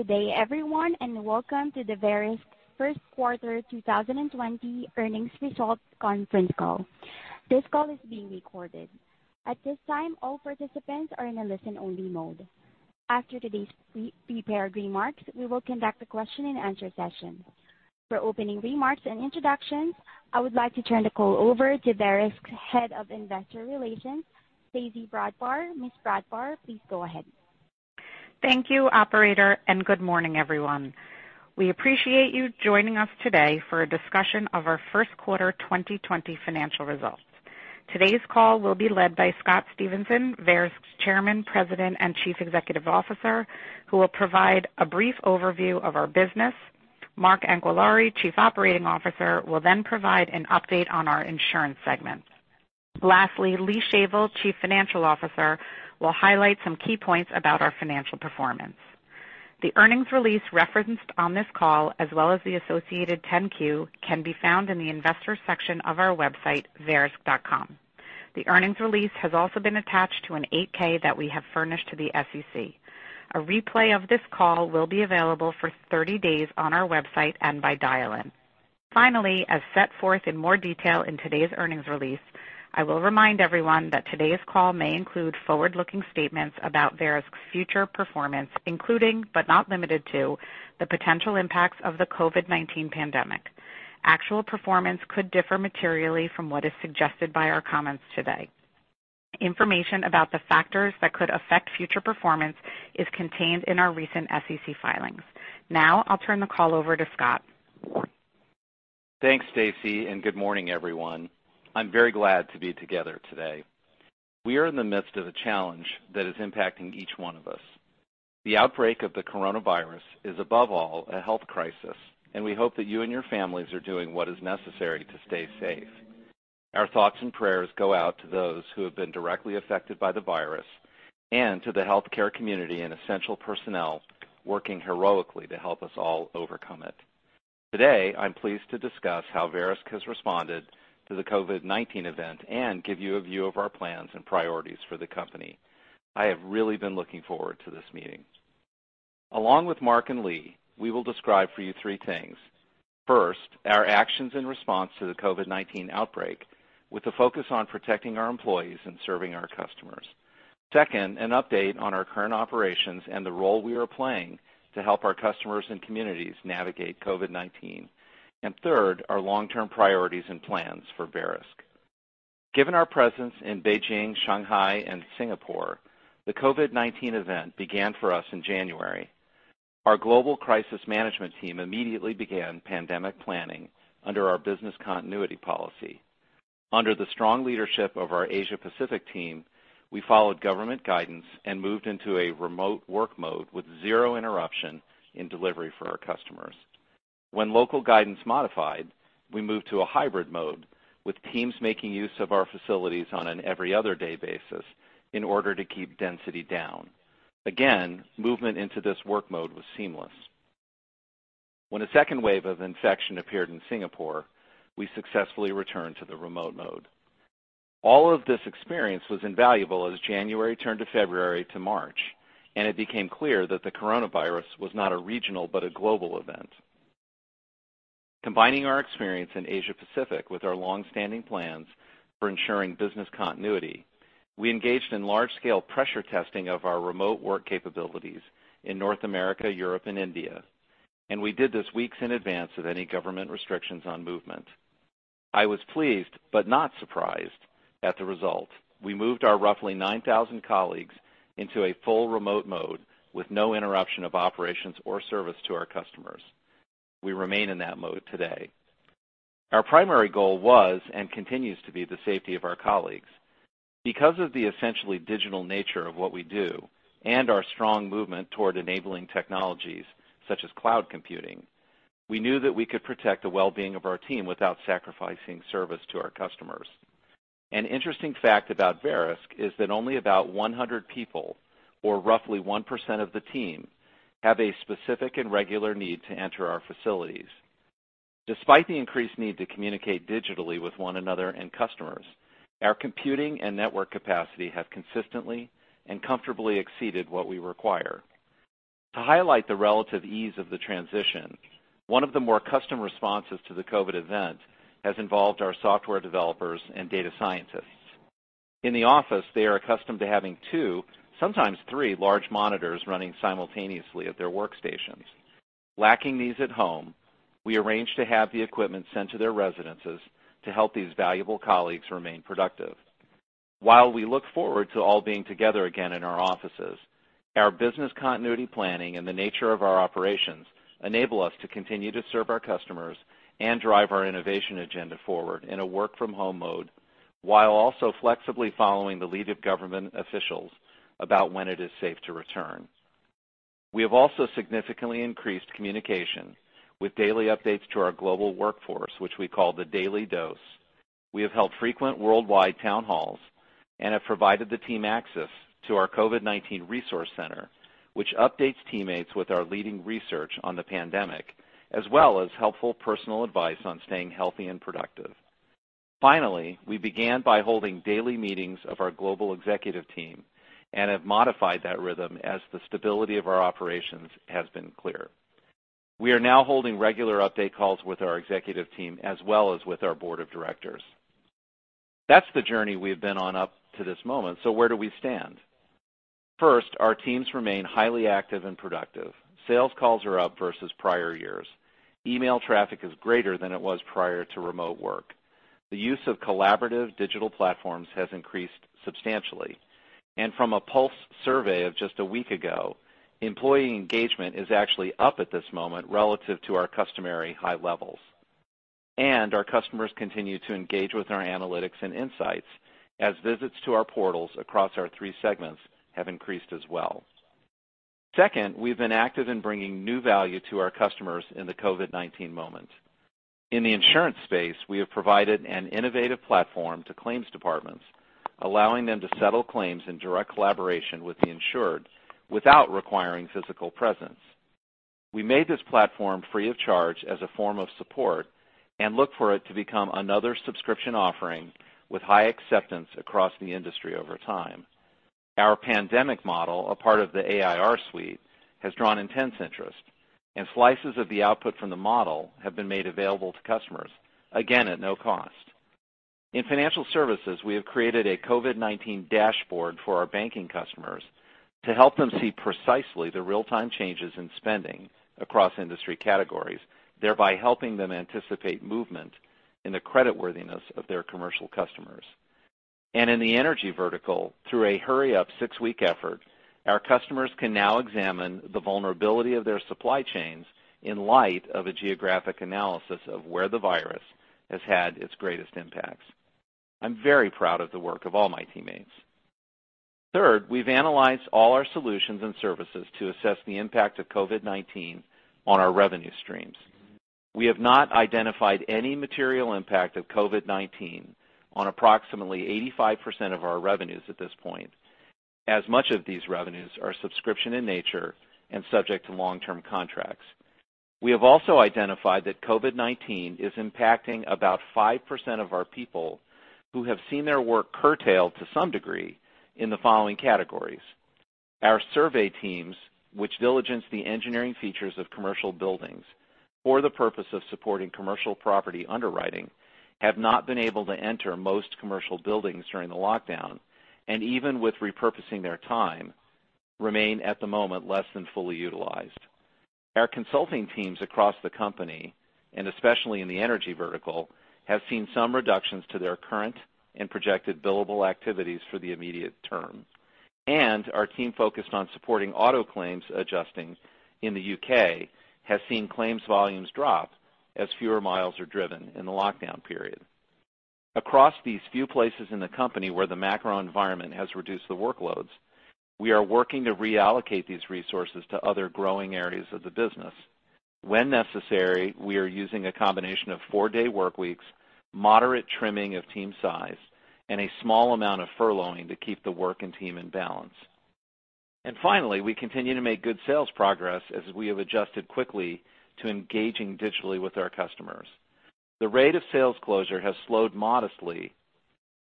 Good day, everyone, and welcome to the Verisk First Quarter 2020 Earnings Results Conference Call. This call is being recorded. At this time, all participants are in a listen-only mode. After today's prepared remarks, we will conduct a question-and-answer session. For opening remarks and introductions, I would like to turn the call over to Verisk's Head of Investor Relations, Stacey Brodbar. Ms. Brodbar, please go ahead. Thank you, Operator, and good morning, everyone. We appreciate you joining us today for a discussion of our First Quarter 2020 financial results. Today's call will be led by Scott Stephenson, Verisk's Chairman, President, and Chief Executive Officer, who will provide a brief overview of our business. Mark Anquillare, Chief Operating Officer, will then provide an update on our insurance segment. Lastly, Lee Shavel, Chief Financial Officer, will highlight some key points about our financial performance. The earnings release referenced on this call, as well as the associated 10-Q, can be found in the investor section of our website, Verisk.com. The earnings release has also been attached to an 8-K that we have furnished to the SEC. A replay of this call will be available for 30 days on our website and by dial-in. Finally, as set forth in more detail in today's earnings release, I will remind everyone that today's call may include forward-looking statements about Verisk's future performance, including, but not limited to, the potential impacts of the COVID-19 pandemic. Actual performance could differ materially from what is suggested by our comments today. Information about the factors that could affect future performance is contained in our recent SEC filings. Now, I'll turn the call over to Scott. Thanks, Stacey, and good morning, everyone. I'm very glad to be together today. We are in the midst of a challenge that is impacting each one of us. The outbreak of the coronavirus is, above all, a health crisis, and we hope that you and your families are doing what is necessary to stay safe. Our thoughts and prayers go out to those who have been directly affected by the virus and to the healthcare community and essential personnel working heroically to help us all overcome it. Today, I'm pleased to discuss how Verisk has responded to the COVID-19 event and give you a view of our plans and priorities for the company. I have really been looking forward to this meeting. Along with Mark and Lee, we will describe for you three things. First, our actions and response to the COVID-19 outbreak, with a focus on protecting our employees and serving our customers. Second, an update on our current operations and the role we are playing to help our customers and communities navigate COVID-19. And third, our long-term priorities and plans for Verisk. Given our presence in Beijing, Shanghai, and Singapore, the COVID-19 event began for us in January. Our Global Crisis Management Team immediately began pandemic planning under our business continuity policy. Under the strong leadership of our Asia-Pacific team, we followed government guidance and moved into a remote work mode with zero interruption in delivery for our customers. When local guidance modified, we moved to a hybrid mode with teams making use of our facilities on an every-other-day basis in order to keep density down. Again, movement into this work mode was seamless. When a second wave of infection appeared in Singapore, we successfully returned to the remote mode. All of this experience was invaluable as January turned to February to March, and it became clear that the coronavirus was not a regional but a global event. Combining our experience in Asia-Pacific with our long-standing plans for ensuring business continuity, we engaged in large-scale pressure testing of our remote work capabilities in North America, Europe, and India, and we did this weeks in advance of any government restrictions on movement. I was pleased but not surprised at the result. We moved our roughly 9,000 colleagues into a full remote mode with no interruption of operations or service to our customers. We remain in that mode today. Our primary goal was and continues to be the safety of our colleagues. Because of the essentially digital nature of what we do and our strong movement toward enabling technologies such as cloud computing, we knew that we could protect the well-being of our team without sacrificing service to our customers. An interesting fact about Verisk is that only about 100 people, or roughly 1% of the team, have a specific and regular need to enter our facilities. Despite the increased need to communicate digitally with one another and customers, our computing and network capacity have consistently and comfortably exceeded what we require. To highlight the relative ease of the transition, one of the more custom responses to the COVID event has involved our software developers and data scientists. In the office, they are accustomed to having two, sometimes three, large monitors running simultaneously at their workstations. Lacking these at home, we arranged to have the equipment sent to their residences to help these valuable colleagues remain productive. While we look forward to all being together again in our offices, our business continuity planning and the nature of our operations enable us to continue to serve our customers and drive our innovation agenda forward in a work-from-home mode while also flexibly following the lead of government officials about when it is safe to return. We have also significantly increased communication with daily updates to our global workforce, which we call the daily dose. We have held frequent worldwide town halls and have provided the team access to our COVID-19 resource center, which updates teammates with our leading research on the pandemic, as well as helpful personal advice on staying healthy and productive. Finally, we began by holding daily meetings of our global executive team and have modified that rhythm as the stability of our operations has been clear. We are now holding regular update calls with our executive team as well as with our board of directors. That's the journey we've been on up to this moment, so where do we stand? First, our teams remain highly active and productive. Sales calls are up versus prior years. Email traffic is greater than it was prior to remote work. The use of collaborative digital platforms has increased substantially, and from a Pulse survey of just a week ago, employee engagement is actually up at this moment relative to our customary high levels, and our customers continue to engage with our analytics and insights as visits to our portals across our three segments have increased as well. Second, we've been active in bringing new value to our customers in the COVID-19 moment. In the insurance space, we have provided an innovative platform to claims departments, allowing them to settle claims in direct collaboration with the insured without requiring physical presence. We made this platform free of charge as a form of support and look for it to become another subscription offering with high acceptance across the industry over time. Our pandemic model, a part of the AIR suite, has drawn intense interest, and slices of the output from the model have been made available to customers, again, at no cost. In financial services, we have created a COVID-19 dashboard for our banking customers to help them see precisely the real-time changes in spending across industry categories, thereby helping them anticipate movement in the creditworthiness of their commercial customers. And in the energy vertical, through a hurry-up six-week effort, our customers can now examine the vulnerability of their supply chains in light of a geographic analysis of where the virus has had its greatest impacts. I'm very proud of the work of all my teammates. Third, we've analyzed all our solutions and services to assess the impact of COVID-19 on our revenue streams. We have not identified any material impact of COVID-19 on approximately 85%, of our revenues at this point, as much of these revenues are subscription in nature and subject to long-term contracts. We have also identified that COVID-19 is impacting about 5%, of our people who have seen their work curtailed to some degree in the following categories. Our survey teams, which diligence the engineering features of commercial buildings for the purpose of supporting commercial property underwriting, have not been able to enter most commercial buildings during the lockdown, and even with repurposing their time, remain at the moment less than fully utilized. Our consulting teams across the company, and especially in the energy vertical, have seen some reductions to their current and projected billable activities for the immediate term, and our team focused on supporting auto claims adjusting in the U.K. has seen claims volumes drop as fewer miles are driven in the lockdown period. Across these few places in the company where the macro environment has reduced the workloads, we are working to reallocate these resources to other growing areas of the business. When necessary, we are using a combination of four-day work weeks, moderate trimming of team size, and a small amount of furloughing to keep the work and team in balance. And finally, we continue to make good sales progress as we have adjusted quickly to engaging digitally with our customers. The rate of sales closure has slowed modestly,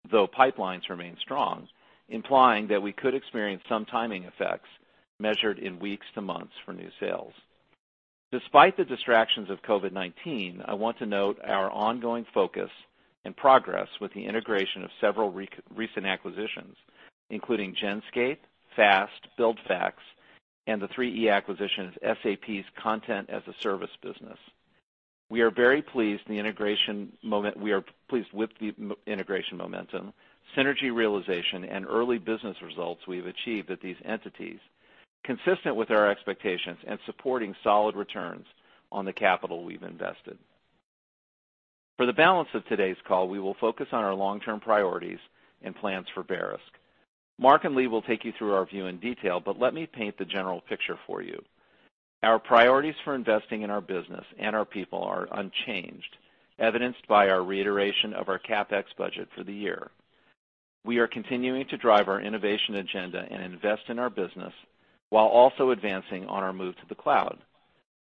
though pipelines remain strong, implying that we could experience some timing effects measured in weeks to months for new sales. Despite the distractions of COVID-19, I want to note our ongoing focus and progress with the integration of several recent acquisitions, including Genscape, FAST, BuildFax, and the 3E acquisition of SAP's Content as a Service business. We are very pleased with the integration momentum, synergy realization, and early business results we've achieved at these entities, consistent with our expectations and supporting solid returns on the capital we've invested. For the balance of today's call, we will focus on our long-term priorities and plans for Verisk. Mark and Lee, will take you through our view in detail, but let me paint the general picture for you. Our priorities for investing in our business and our people are unchanged, evidenced by our reiteration of our CapEx budget for the year. We are continuing to drive our innovation agenda and invest in our business while also advancing on our move to the cloud.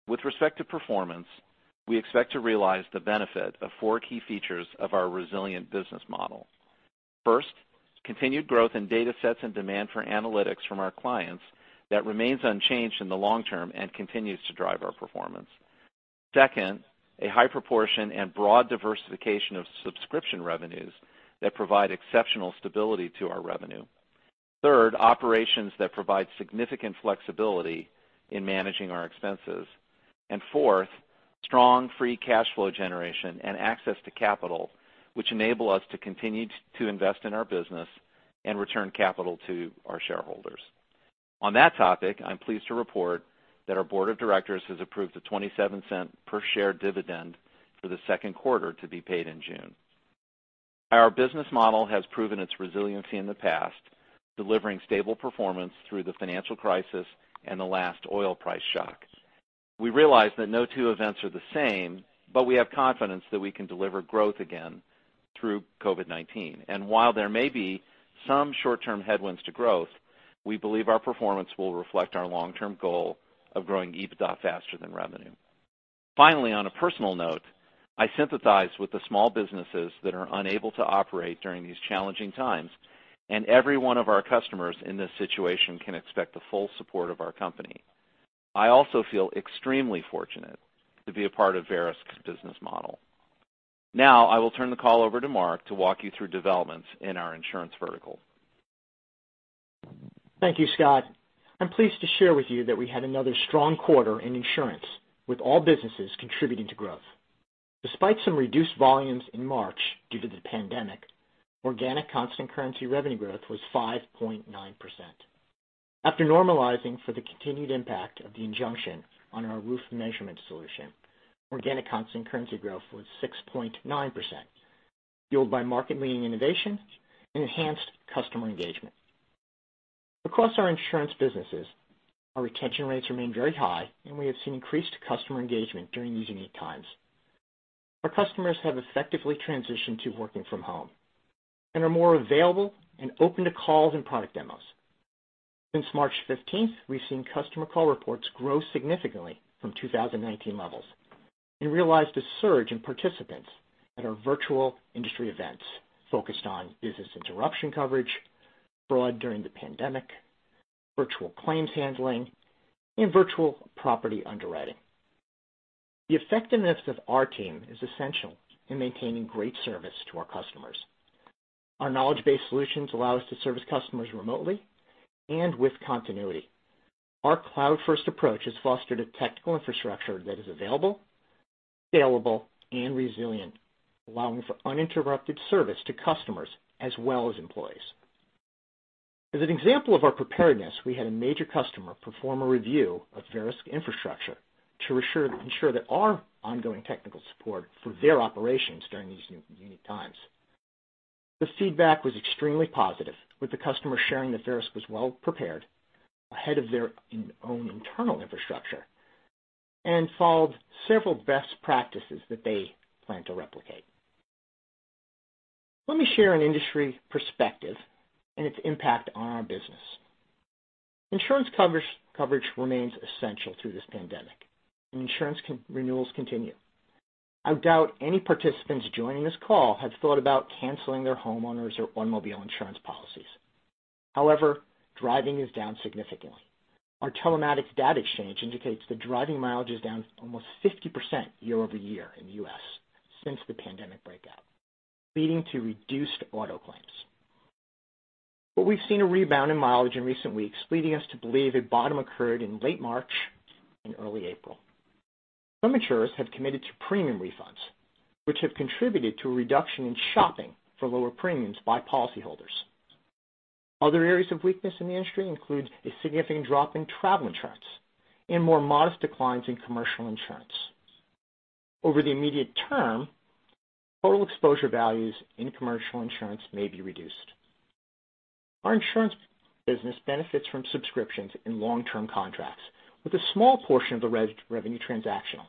With respect to performance, we expect to realize the benefit of four key features of our resilient business model. First, continued growth in data sets and demand for analytics from our clients that remains unchanged in the long term and continues to drive our performance. Second, a high proportion and broad diversification of subscription revenues that provide exceptional stability to our revenue. Third, operations that provide significant flexibility in managing our expenses. And fourth, strong free cash flow generation and access to capital, which enable us to continue to invest in our business and return capital to our shareholders. On that topic, I'm pleased to report that our board of directors has approved the $0.27 per share dividend, for the second quarter to be paid in June. Our business model has proven its resiliency in the past, delivering stable performance through the financial crisis and the last oil price shock. We realize that no two events are the same, but we have confidence that we can deliver growth again through COVID-19. And while there may be some short-term headwinds to growth, we believe our performance will reflect our long-term goal of growing EBITDA faster than revenue. Finally, on a personal note, I sympathize with the small businesses that are unable to operate during these challenging times, and every one of our customers in this situation can expect the full support of our company. I also feel extremely fortunate to be a part of Verisk's business model. Now, I will turn the call over to Mark, to walk you through developments in our insurance vertical. Thank you, Scott. I'm pleased to share with you that we had another strong quarter in insurance, with all businesses contributing to growth. Despite some reduced volumes in March due to the pandemic, organic constant currency revenue growth was 5.9%. After normalizing for the continued impact of the injunction on our roof measurement solution, organic constant currency growth was 6.9%, fueled by market-leading innovation and enhanced customer engagement. Across our insurance businesses, our retention rates remain very high, and we have seen increased customer engagement during these unique times. Our customers have effectively transitioned to working from home and are more available and open to calls and product demos. Since March 15th, we've seen customer call reports grow significantly from 2019 levels and realized a surge in participants at our virtual industry events focused on business interruption coverage, fraud during the pandemic, virtual claims handling, and virtual property underwriting. The effectiveness of our team is essential in maintaining great service to our customers. Our knowledge-based solutions allow us to service customers remotely and with continuity. Our cloud-first approach has fostered a technical infrastructure that is available, scalable, and resilient, allowing for uninterrupted service to customers as well as employees. As an example of our preparedness, we had a major customer perform a review of Verisk infrastructure to ensure that our ongoing technical support for their operations during these unique times. The feedback was extremely positive, with the customer sharing that Verisk was well-prepared ahead of their own internal infrastructure and followed several best practices that they plan to replicate. Let me share an industry perspective and its impact on our business. Insurance coverage remains essential through this pandemic, and insurance renewals continue. I doubt any participants joining this call have thought about canceling their homeowners' or automobile insurance policies. However, driving is down significantly. Our telematics data exchange indicates that driving mileage is down almost 50%, year over year in the U.S. since the pandemic breakout, leading to reduced auto claims. But we've seen a rebound in mileage in recent weeks, leading us to believe a bottom occurred in late March and early April. Some insurers have committed to premium refunds, which have contributed to a reduction in shopping for lower premiums by policyholders. Other areas of weakness in the industry include a significant drop in travel insurance and more modest declines in commercial insurance. Over the immediate term, total exposure values in commercial insurance may be reduced. Our insurance business benefits from subscriptions and long-term contracts, with a small portion of the revenue transactional.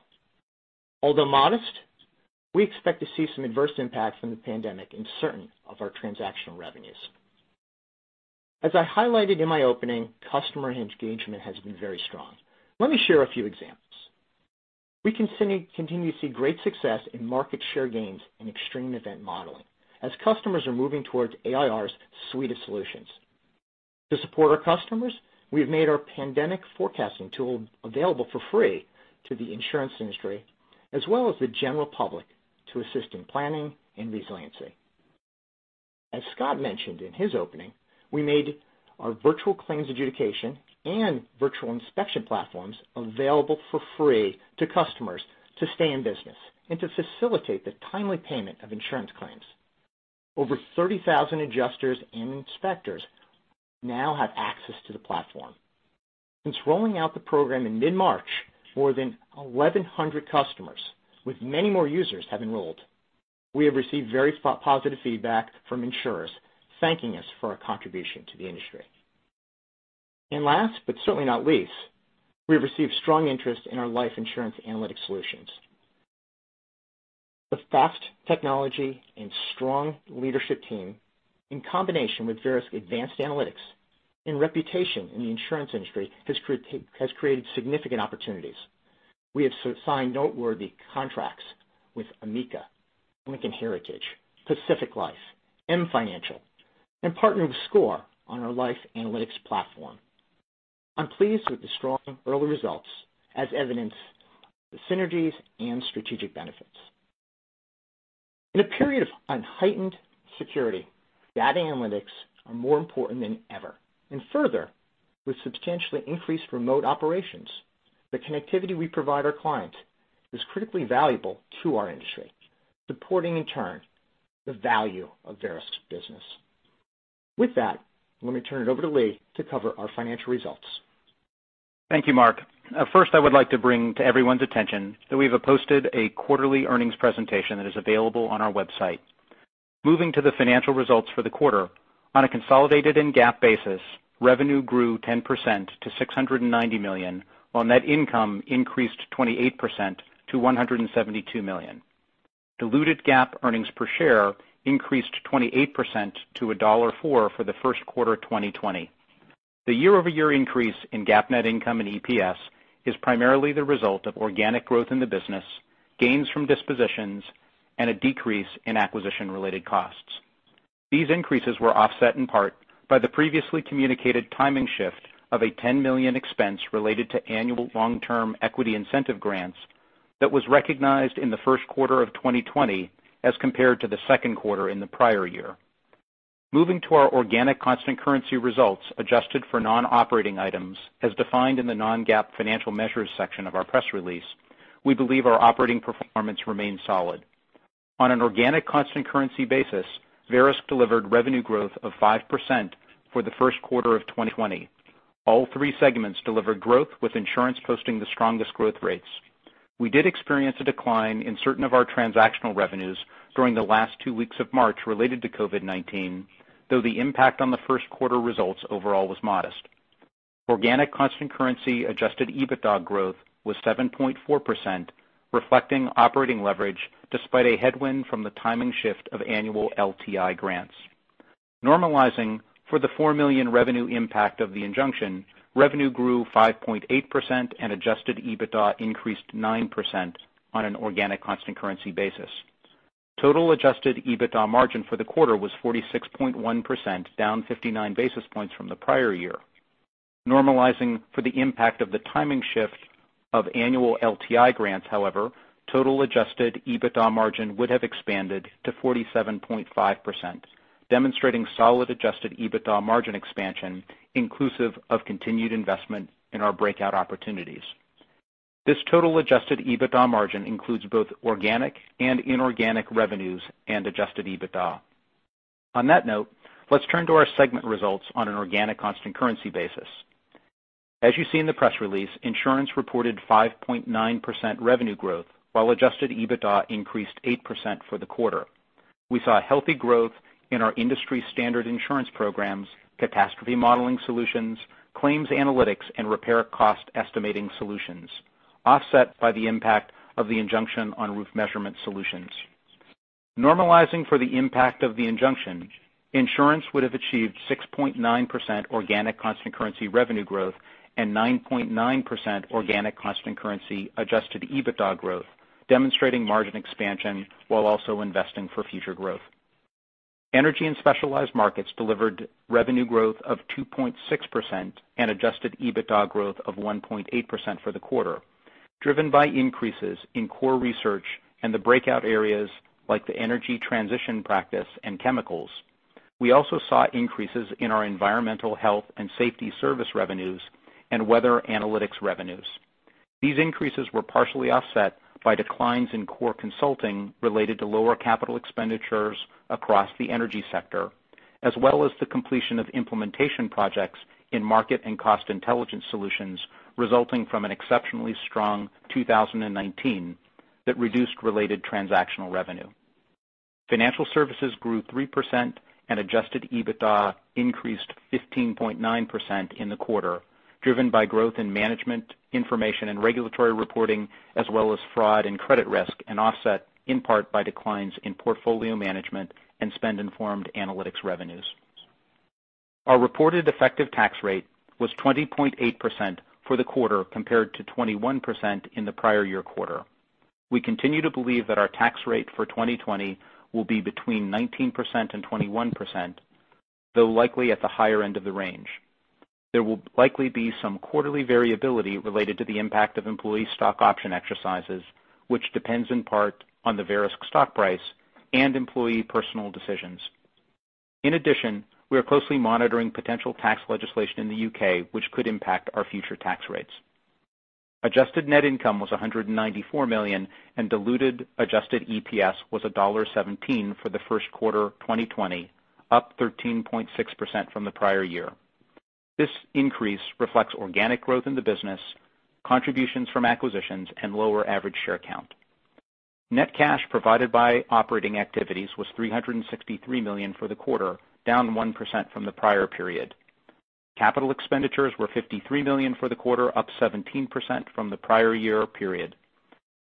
Although modest, we expect to see some adverse impact from the pandemic in certain of our transactional revenues. As I highlighted in my opening, customer engagement has been very strong. Let me share a few examples. We continue to see great success in market share gains and extreme event modeling as customers are moving towards AIR's suite of solutions. To support our customers, we have made our pandemic forecasting tool available for free to the insurance industry as well as the general public to assist in planning and resiliency. As Scott mentioned in his opening, we made our virtual claims adjudication and virtual inspection platforms available for free to customers to stay in business and to facilitate the timely payment of insurance claims. Over 30,000 adjusters and inspectors now have access to the platform. Since rolling out the program in mid-March, more than 1,100 customers with many more users have enrolled. We have received very positive feedback from insurers thanking us for our contribution to the industry, and last, but certainly not least, we have received strong interest in our life insurance analytic solutions. The FAST technology and strong leadership team, in combination with Verisk Advanced Analytics and reputation in the insurance industry, has created significant opportunities. We have signed noteworthy contracts with Amica, Lincoln Heritage, Pacific Life, M Financial, and partnered with SCOR, on our life analytics platform. I'm pleased with the strong early results as evidenced by the synergies and strategic benefits. In a period of heightened security, data analytics are more important than ever, and further, with substantially increased remote operations, the connectivity we provide our clients is critically valuable to our industry, supporting in turn the value of Verisk's business. With that, let me turn it over to Lee to cover our financial results. Thank you, Mark. First, I would like to bring to everyone's attention that we've posted a quarterly earnings presentation that is available on our website. Moving to the financial results for the quarter, on a consolidated and GAAP basis, revenue, grew 10%, to $690 million, while net income, increased 28%, to $172 million. Diluted GAAP earnings per share, increased 28%, to $1.04, for the first quarter of 2020. The year-over-year increase in GAAP net income, and EPS, is primarily the result of organic growth in the business, gains from dispositions, and a decrease in acquisition-related costs. These increases were offset in part by the previously communicated timing shift of a $10 million expense, related to annual long-term equity incentive grants that was recognized in the first quarter of 2020 as compared to the second quarter in the prior year. Moving to our organic constant currency results adjusted for non-operating items, as defined in the non-GAAP financial measures section of our press release, we believe our operating performance remains solid. On an organic constant currency basis, Verisk delivered revenue growth of 5% for the first quarter of 2020. All three segments delivered growth, with insurance posting the strongest growth rates. We did experience a decline in certain of our transactional revenues during the last two weeks of March related to COVID-19, though the impact on the first quarter results overall was modest. Organic constant currency adjusted EBITDA, growth was 7.4%, reflecting operating leverage despite a headwind from the timing shift of annual LTI grants. Normalizing for the $4 million, revenue impact of the injunction, revenue grew 5.8%, and adjusted EBITDA, increased 9%, on an organic constant currency basis. Total adjusted EBITDA margin, for the quarter was 46.1%, down 59 basis points, from the prior year. Normalizing for the impact of the timing shift of annual LTI grants, however, total adjusted EBITDA margin, would have expanded to 47.5%, demonstrating solid adjusted EBITDA margin, expansion inclusive of continued investment in our breakout opportunities. This total adjusted EBITDA margin, includes both organic and inorganic revenues and adjusted EBITDA. On that note, let's turn to our segment results on an organic constant currency basis. As you see in the press release, insurance reported 5.9%, revenue growth, while adjusted EBITDA, increased 8%, for the quarter. We saw healthy growth in our industry-standard insurance programs, catastrophe modeling solutions, claims analytics, and repair cost estimating solutions, offset by the impact of the injunction on roof measurement solutions. Normalizing for the impact of the injunction, insurance would have achieved 6.9%, organic constant currency revenue growth and 9.9%, organic constant currency adjusted EBITDA growth, demonstrating margin expansion while also investing for future growth. Energy and specialized markets delivered revenue growth of 2.6%, and adjusted EBITDA, growth of 1.8% for the quarter, driven by increases in core research and the breakout areas like the energy transition practice and chemicals. We also saw increases in our environmental health and safety service revenues and weather analytics revenues. These increases were partially offset by declines in core consulting related to lower capital expenditures across the energy sector, as well as the completion of implementation projects in market and cost intelligence solutions resulting from an exceptionally strong 2019 that reduced related transactional revenue. Financial services grew 3%, and adjusted EBITDA, increased 15.9%, in the quarter, driven by growth in management information and regulatory reporting, as well as fraud and credit risk, and offset in part by declines in portfolio management and spend-informed analytics revenues. Our reported effective tax rate was 20.8%, for the quarter compared to 21%, in the prior year quarter. We continue to believe that our tax rate for 2020 will be between 19% and 21%, though likely at the higher end of the range. There will likely be some quarterly variability related to the impact of employee stock option exercises, which depends in part on the Verisk stock price and employee personal decisions. In addition, we are closely monitoring potential tax legislation in the U.K., which could impact our future tax rates. Adjusted net income, was $194 million, and diluted adjusted EPS, was $1.17, for the first quarter 2020, up 13.6%, from the prior year. This increase reflects organic growth in the business, contributions from acquisitions, and lower average share count. Net cash, provided by operating activities, was $363 million, for the quarter, down 1%, from the prior period. Capital expenditures, were $53 million, for the quarter, up 17%, from the prior year period.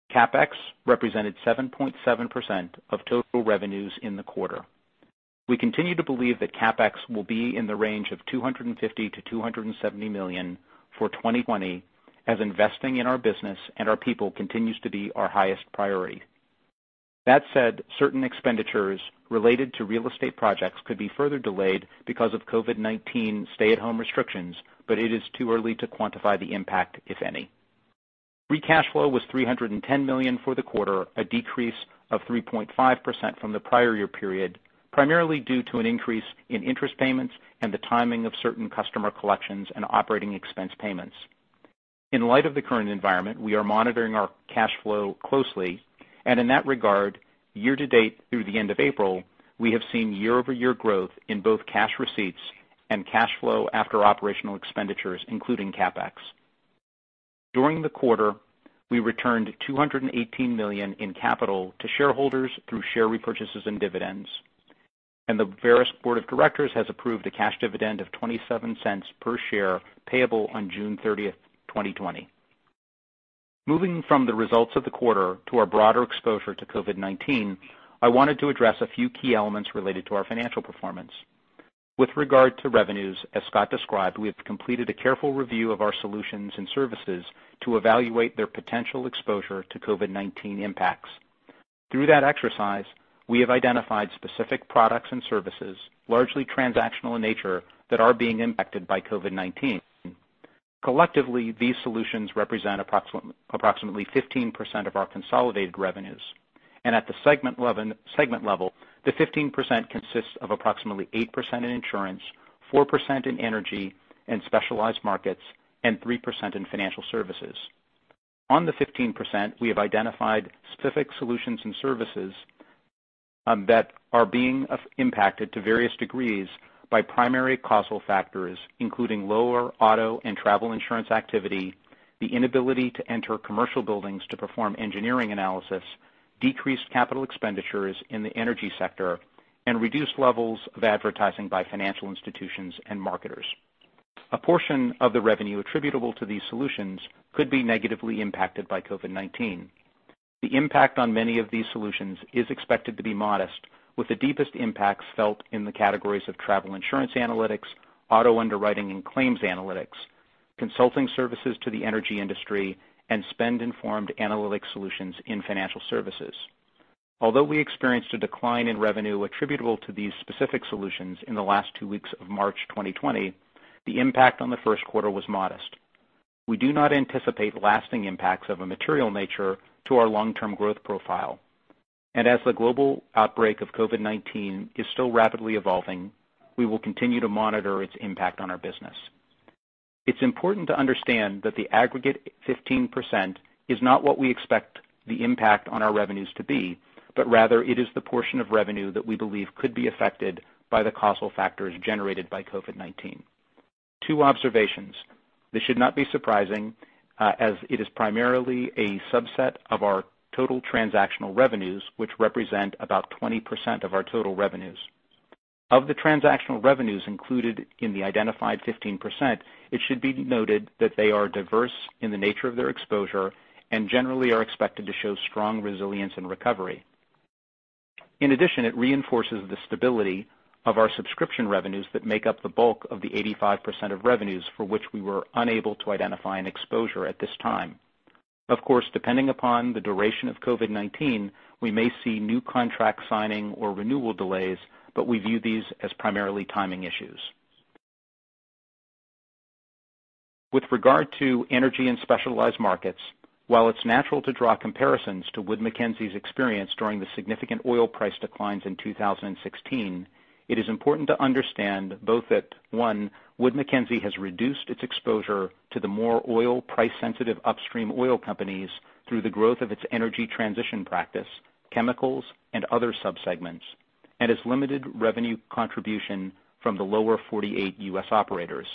CapEx, represented 7.7%, of total revenues in the quarter. We continue to believe that CapEx will be in the range of $250 million to $270 million for 2020, as investing in our business and our people continues to be our highest priority. That said, certain expenditures related to real estate projects could be further delayed because of COVID-19 stay-at-home restrictions, but it is too early to quantify the impact, if any. Free cash flow, was $310 million for the quarter, a decrease of 3.5%, from the prior year period, primarily due to an increase in interest payments and the timing of certain customer collections and operating expense payments. In light of the current environment, we are monitoring our cash flow closely, and in that regard, year-to-date through the end of April, we have seen year-over-year growth in both cash receipts and cash flow after operational expenditures, including CapEx. During the quarter, we returned $218 million, in capital to shareholders through share repurchases and dividends, and the Verisk Board of Directors, has approved a cash dividend, of $0.27 per share, payable on June 30, 2020. Moving from the results of the quarter to our broader exposure to COVID-19, I wanted to address a few key elements related to our financial performance. With regard to revenues, as Scott described, we have completed a careful review of our solutions and services to evaluate their potential exposure to COVID-19 impacts. Through that exercise, we have identified specific products and services, largely transactional in nature, that are being impacted by COVID-19. Collectively, these solutions represent approximately 15%, of our consolidated revenues. And at the segment level, the 15%, consists of approximately 8%, in insurance, 4%, in energy and specialized markets, and 3%, in financial services. On the 15%, we have identified specific solutions and services that are being impacted to various degrees by primary causal factors, including lower auto and travel insurance activity, the inability to enter commercial buildings to perform engineering analysis, decreased capital expenditures in the energy sector, and reduced levels of advertising by financial institutions and marketers. A portion of the revenue attributable to these solutions could be negatively impacted by COVID-19. The impact on many of these solutions is expected to be modest, with the deepest impacts felt in the categories of travel insurance analytics, auto underwriting and claims analytics, consulting services to the energy industry, and spend-informed analytic solutions in financial services. Although we experienced a decline in revenue attributable to these specific solutions in the last two weeks of March 2020, the impact on the first quarter was modest. We do not anticipate lasting impacts of a material nature to our long-term growth profile, and as the global outbreak of COVID-19 is still rapidly evolving, we will continue to monitor its impact on our business. It's important to understand that the aggregate 15%, is not what we expect the impact on our revenues to be, but rather it is the portion of revenue that we believe could be affected by the causal factors generated by COVID-19. Two observations. This should not be surprising, as it is primarily a subset of our total transactional revenues, which represent about 20%, of our total revenues. Of the transactional revenues included in the identified 15%, it should be noted that they are diverse in the nature of their exposure and generally are expected to show strong resilience and recovery. In addition, it reinforces the stability of our subscription revenues that make up the bulk of the 85%, of revenues for which we were unable to identify an exposure at this time. Of course, depending upon the duration of COVID-19, we may see new contract signing or renewal delays, but we view these as primarily timing issues. With regard to energy and specialized markets, while it's natural to draw comparisons to Wood Mackenzie's, experience during the significant oil price declines in 2016, it is important to understand both that, one, Wood Mackenzie, has reduced its exposure to the more oil price-sensitive upstream oil companies through the growth of its energy transition practice, chemicals, and other subsegments, and has limited revenue contribution from the Lower 48 U.S. operators.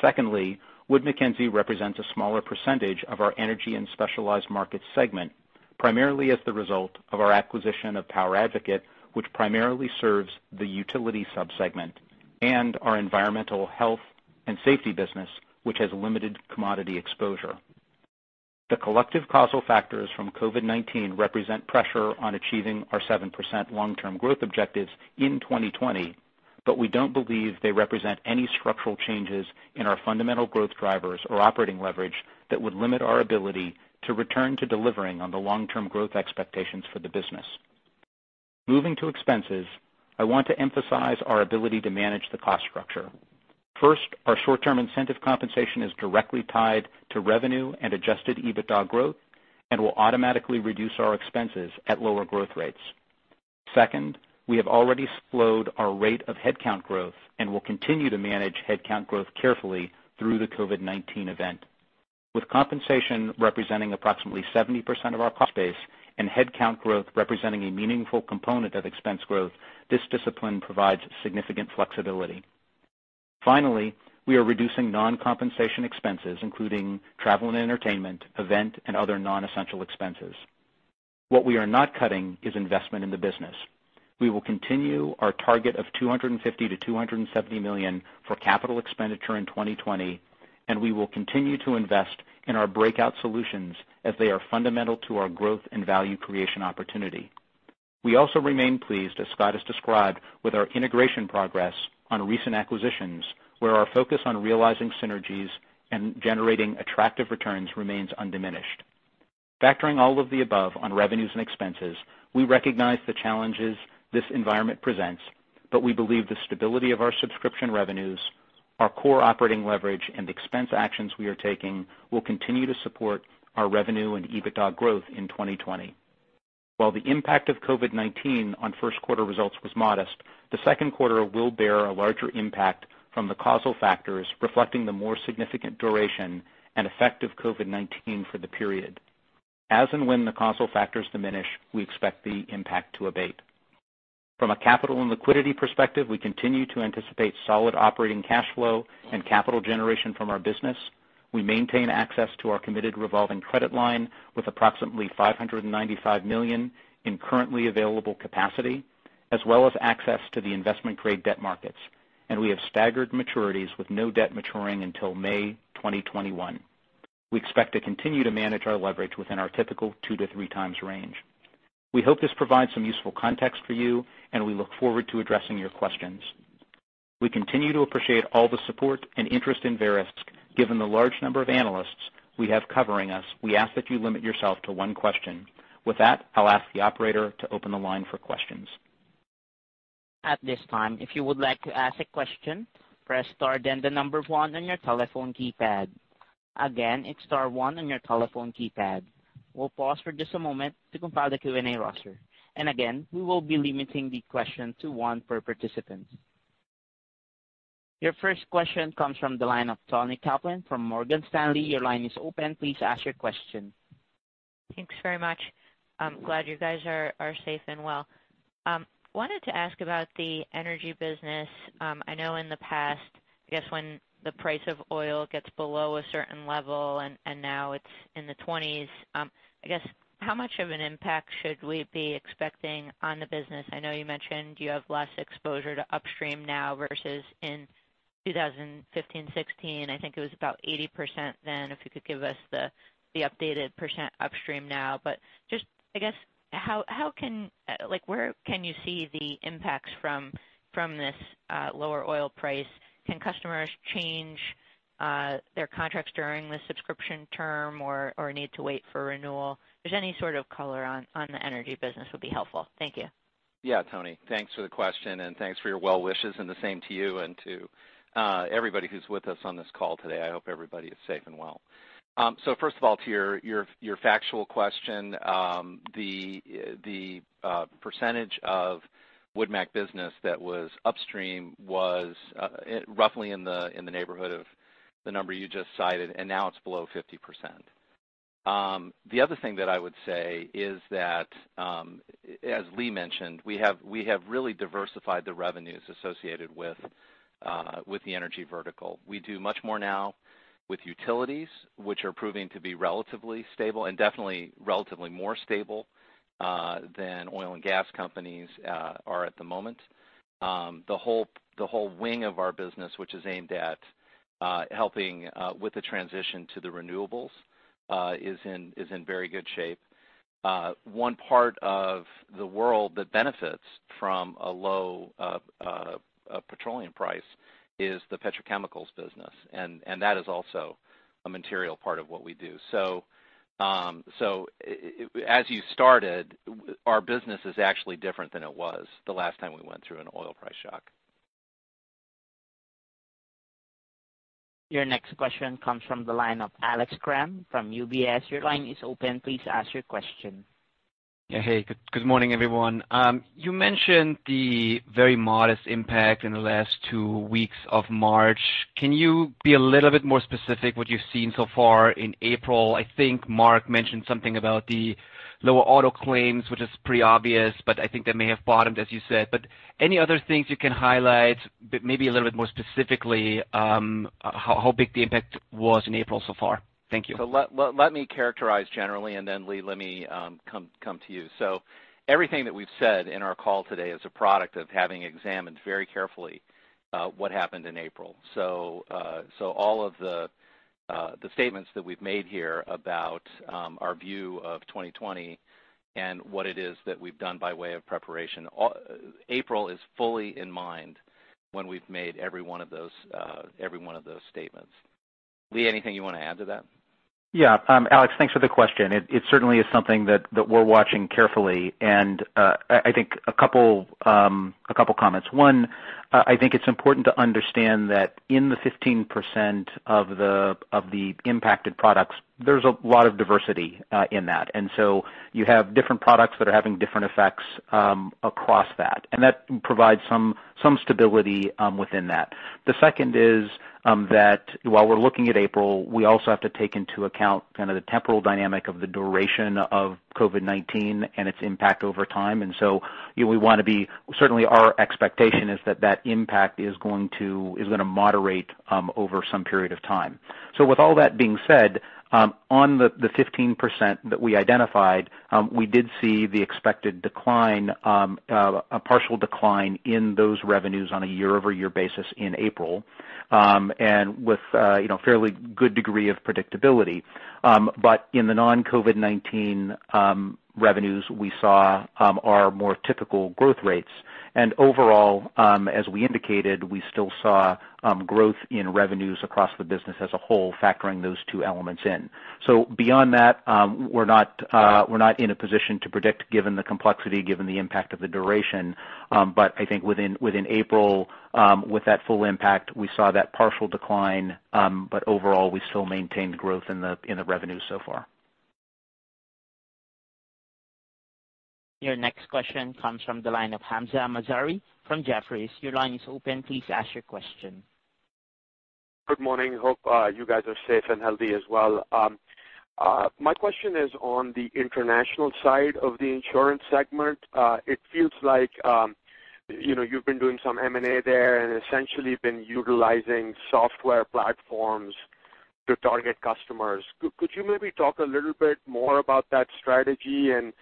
Secondly, Wood Mackenzie, represents a smaller percentage of our energy and specialized markets segment, primarily as the result of our acquisition of PowerAdvocate, which primarily serves the utility subsegment, and our environmental health and safety business, which has limited commodity exposure. The collective causal factors from COVID-19 represent pressure on achieving our 7%, long-term growth objectives in 2020, but we don't believe they represent any structural changes in our fundamental growth drivers or operating leverage that would limit our ability to return to delivering on the long-term growth expectations for the business. Moving to expenses, I want to emphasize our ability to manage the cost structure. First, our short-term incentive compensation is directly tied to revenue and Adjusted EBITDA growth, and will automatically reduce our expenses at lower growth rates. Second, we have already slowed our rate of headcount growth and will continue to manage headcount growth carefully through the COVID-19 event. With compensation representing approximately 70%, of our cost base and headcount growth representing a meaningful component of expense growth, this discipline provides significant flexibility. Finally, we are reducing non-compensation expenses, including travel and entertainment, event, and other non-essential expenses. What we are not cutting is investment in the business. We will continue our target of $250 million-$270 million, for capital expenditure in 2020, and we will continue to invest in our breakout solutions as they are fundamental to our growth and value creation opportunity. We also remain pleased, as Scott has described, with our integration progress on recent acquisitions, where our focus on realizing synergies and generating attractive returns remains undiminished. Factoring all of the above on revenues and expenses, we recognize the challenges this environment presents, but we believe the stability of our subscription revenues, our core operating leverage, and the expense actions we are taking will continue to support our revenue and EBITDA, growth in 2020. While the impact of COVID-19 on first quarter results was modest, the second quarter will bear a larger impact from the causal factors reflecting the more significant duration and effect of COVID-19 for the period. As and when the causal factors diminish, we expect the impact to abate. From a capital and liquidity perspective, we continue to anticipate solid operating cash flow and capital generation from our business. We maintain access to our committed revolving credit line with approximately $595 million, in currently available capacity, as well as access to the investment-grade debt markets, and we have staggered maturities with no debt maturing until May 2021. We expect to continue to manage our leverage within our typical two to three times range. We hope this provides some useful context for you, and we look forward to addressing your questions. We continue to appreciate all the support and interest in Verisk. Given the large number of analysts we have covering us, we ask that you limit yourself to one question. With that, I'll ask the operator to open the line for questions. At this time, if you would like to ask a question, press star then the number one on your telephone keypad. Again, it's star one on your telephone keypad. We'll pause for just a moment to compile the Q&A roster. And again, we will be limiting the question to one per participant. Your first question comes from the line of Toni Kaplan, from Morgan Stanley. Your line is open. Please ask your question. Thanks very much. I'm glad you guys are safe and well. I wanted to ask about the energy business. I know in the past, I guess when the price of oil gets below a certain level and now it's in the 20s, I guess how much of an impact should we be expecting on the business? I know you mentioned you have less exposure to upstream now versus in 2015, '16. I think it was about 80% then. If you could give us the updated % upstream now. But just, I guess, where can you see the impacts from this lower oil price? Can customers change their contracts during the subscription term or need to wait for renewal? If there's any sort of color on the energy business, it would be helpful. Thank you. Yeah, Toni. Thanks for the question, and thanks for your well wishes, and the same to you and to everybody who's with us on this call today. I hope everybody is safe and well. So first of all, to your factual question, the percentage of Wood Mac, business that was upstream was roughly in the neighborhood of the number you just cited, and now it's below 50%. The other thing that I would say is that, as Lee mentioned, we have really diversified the revenues associated with the energy vertical. We do much more now with utilities, which are proving to be relatively stable and definitely relatively more stable than oil and gas companies are at the moment. The whole wing of our business, which is aimed at helping with the transition to the renewables, is in very good shape. One part of the world that benefits from a low petroleum price is the petrochemicals business, and that is also a material part of what we do. So as you started, our business is actually different than it was the last time we went through an oil price shock. Your next question comes from the line of Alex Kramm, from UBS. Your line is open. Please ask your question. Yeah, hey. Good morning, everyone. You mentioned the very modest impact in the last two weeks of March. Can you be a little bit more specific what you've seen so far in April? I think Mark mentioned something about the lower auto claims, which is pretty obvious, but I think they may have bottomed, as you said. But any other things you can highlight, maybe a little bit more specifically, how big the impact was in April so far? Thank you. So let me characterize generally, and then Lee, let me come to you. So everything that we've said in our call today is a product of having examined very carefully what happened in April. So all of the statements that we've made here about our view of 2020 and what it is that we've done by way of preparation, April is fully in mind when we've made every one of those statements. Lee, anything you want to add to that? Yeah. Alex, thanks for the question. It certainly is something that we're watching carefully. And I think a couple comments. One, I think it's important to understand that in the 15%, of the impacted products, there's a lot of diversity in that. And so you have different products that are having different effects across that, and that provides some stability within that. The second is that while we're looking at April, we also have to take into account kind of the temporal dynamic of the duration of COVID-19 and its impact over time, and so we want to be certainly our expectation is that that impact is going to moderate over some period of time, so with all that being said, on the 15%, that we identified, we did see the expected decline, a partial decline in those revenues on a year-over-year basis in April, and with a fairly good degree of predictability, but in the non-COVID-19 revenues, we saw our more typical growth rates, and overall, as we indicated, we still saw growth in revenues across the business as a whole, factoring those two elements in, so beyond that, we're not in a position to predict given the complexity, given the impact of the duration. But I think within April, with that full impact, we saw that partial decline, but overall, we still maintained growth in the revenues so far. Your next question comes from the line of Hamzah Mazari, from Jefferies. Your line is open. Please ask your question. Good morning. Hope you guys are safe and healthy as well. My question is on the international side of the insurance segment. It feels like you've been doing some M&A there and essentially been utilizing software platforms to target customers. Could you maybe talk a little bit more about that strategy and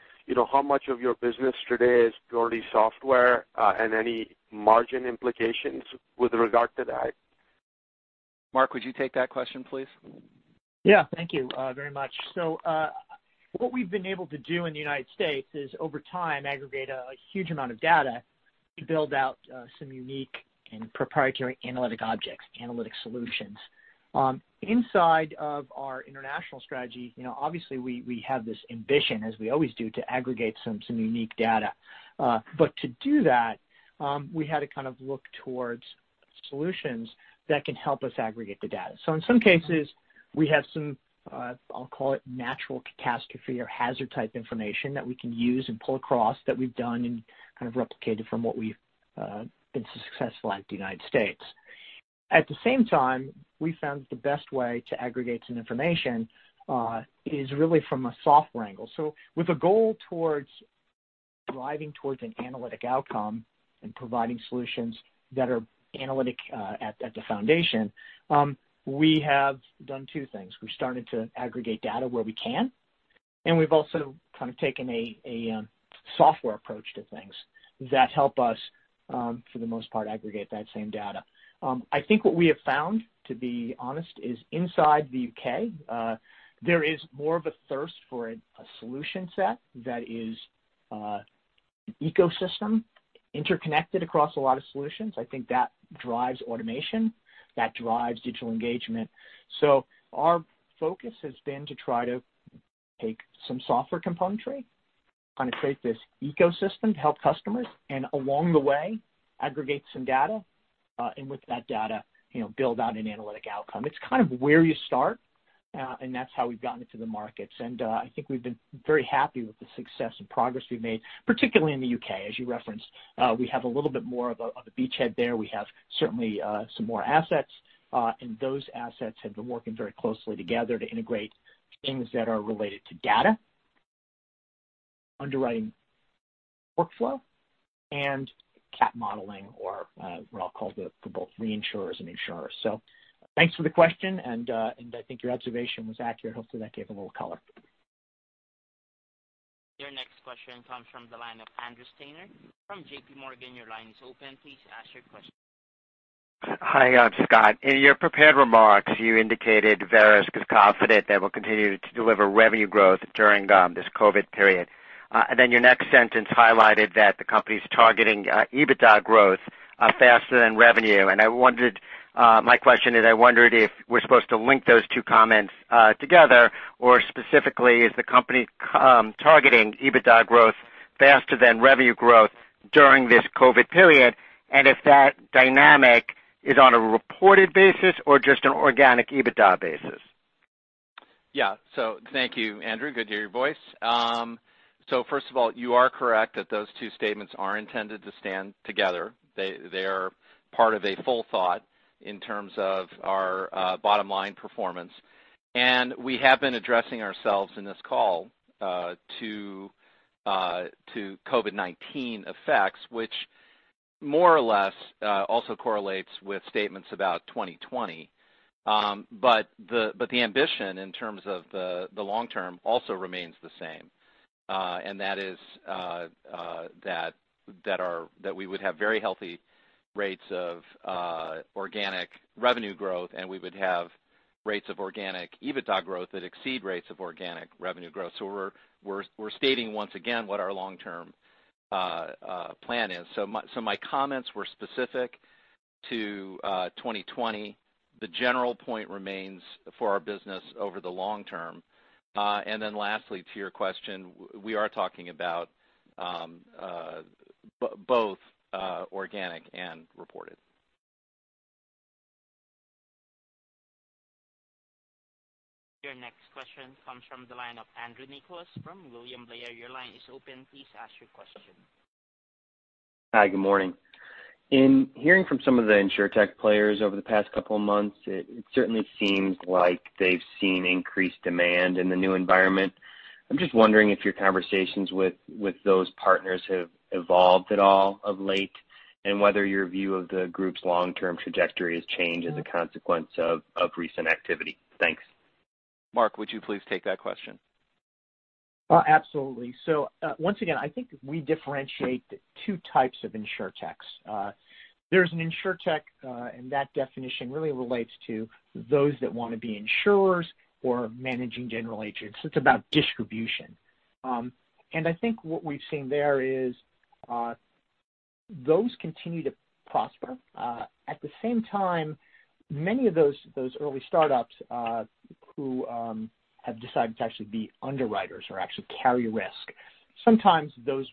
how much of your business today is purely software and any margin implications with regard to that? Mark, would you take that question, please? Yeah. Thank you very much. So what we've been able to do in the United States is, over time, aggregate a huge amount of data to build out some unique and proprietary analytic objects, analytic solutions. Inside of our international strategy, obviously, we have this ambition, as we always do, to aggregate some unique data. But to do that, we had to kind of look towards solutions that can help us aggregate the data. So in some cases, we have some, I'll call it, natural catastrophe or hazard-type information that we can use and pull across that we've done and kind of replicated from what we've been successful at the United States. At the same time, we found that the best way to aggregate some information is really from a software angle. So with a goal towards driving towards an analytic outcome and providing solutions that are analytic at the foundation, we have done two things. We've started to aggregate data where we can, and we've also kind of taken a software approach to things that help us, for the most part, aggregate that same data. I think what we have found, to be honest, is inside the UK, there is more of a thirst for a solution set that is an ecosystem interconnected across a lot of solutions. I think that drives automation. That drives digital engagement. So our focus has been to try to take some software componentry, kind of create this ecosystem to help customers, and along the way, aggregate some data, and with that data, build out an analytic outcome. It's kind of where you start, and that's how we've gotten into the markets. And I think we've been very happy with the success and progress we've made, particularly in the UK, as you referenced. We have a little bit more of a beachhead there. We have certainly some more assets, and those assets have been working very closely together to integrate things that are related to data, underwriting workflow, and cat modeling, or what I'll call the both reinsurers and insurers. So thanks for the question, and I think your observation was accurate. Hopefully, that gave a little color. Your next question comes from the line of Andrew Steinerman, from JPMorgan. Your line is open. Please ask your question. Hi, I'm Scott. In your prepared remarks, you indicated Verisk is confident that it will continue to deliver revenue growth during this COVID period. And then your next sentence highlighted that the company's targeting EBITDA growth faster than revenue. And my question is, I wondered if we're supposed to link those two comments together, or specifically, is the company targeting EBITDA growth faster than revenue growth during this COVID period? And if that dynamic is on a reported basis or just an organic EBITDA basis? Yeah. So thank you, Andrew. Good to hear your voice. So first of all, you are correct that those two statements are intended to stand together. They are part of a full thought in terms of our bottom-line performance. And we have been addressing ourselves in this call to COVID-19 effects, which more or less also correlates with statements about 2020. But the ambition in terms of the long term also remains the same. And that is that we would have very healthy rates of organic revenue growth, and we would have rates of organic EBITDA growth that exceed rates of organic revenue growth. So we're stating once again what our long-term plan is. So my comments were specific to 2020. The general point remains for our business over the long term. And then lastly, to your question, we are talking about both organic and reported. Your next question comes from the line of Andrew Nicholas, from William Blair. Your line is open. Please ask your question. Hi, good morning. In hearing from some of the insurtech players over the past couple of months, it certainly seems like they've seen increased demand in the new environment. I'm just wondering if your conversations with those partners have evolved at all of late and whether your view of the group's long-term trajectory has changed as a consequence of recent activity. Thanks. Mark, would you please take that question? Absolutely. So once again, I think we differentiate two types of insurtech. There's an insurtech, and that definition really relates to those that want to be insurers or managing general agents. It's about distribution. And I think what we've seen there is those continue to prosper. At the same time, many of those early startups who have decided to actually be underwriters or actually carry risk, sometimes those,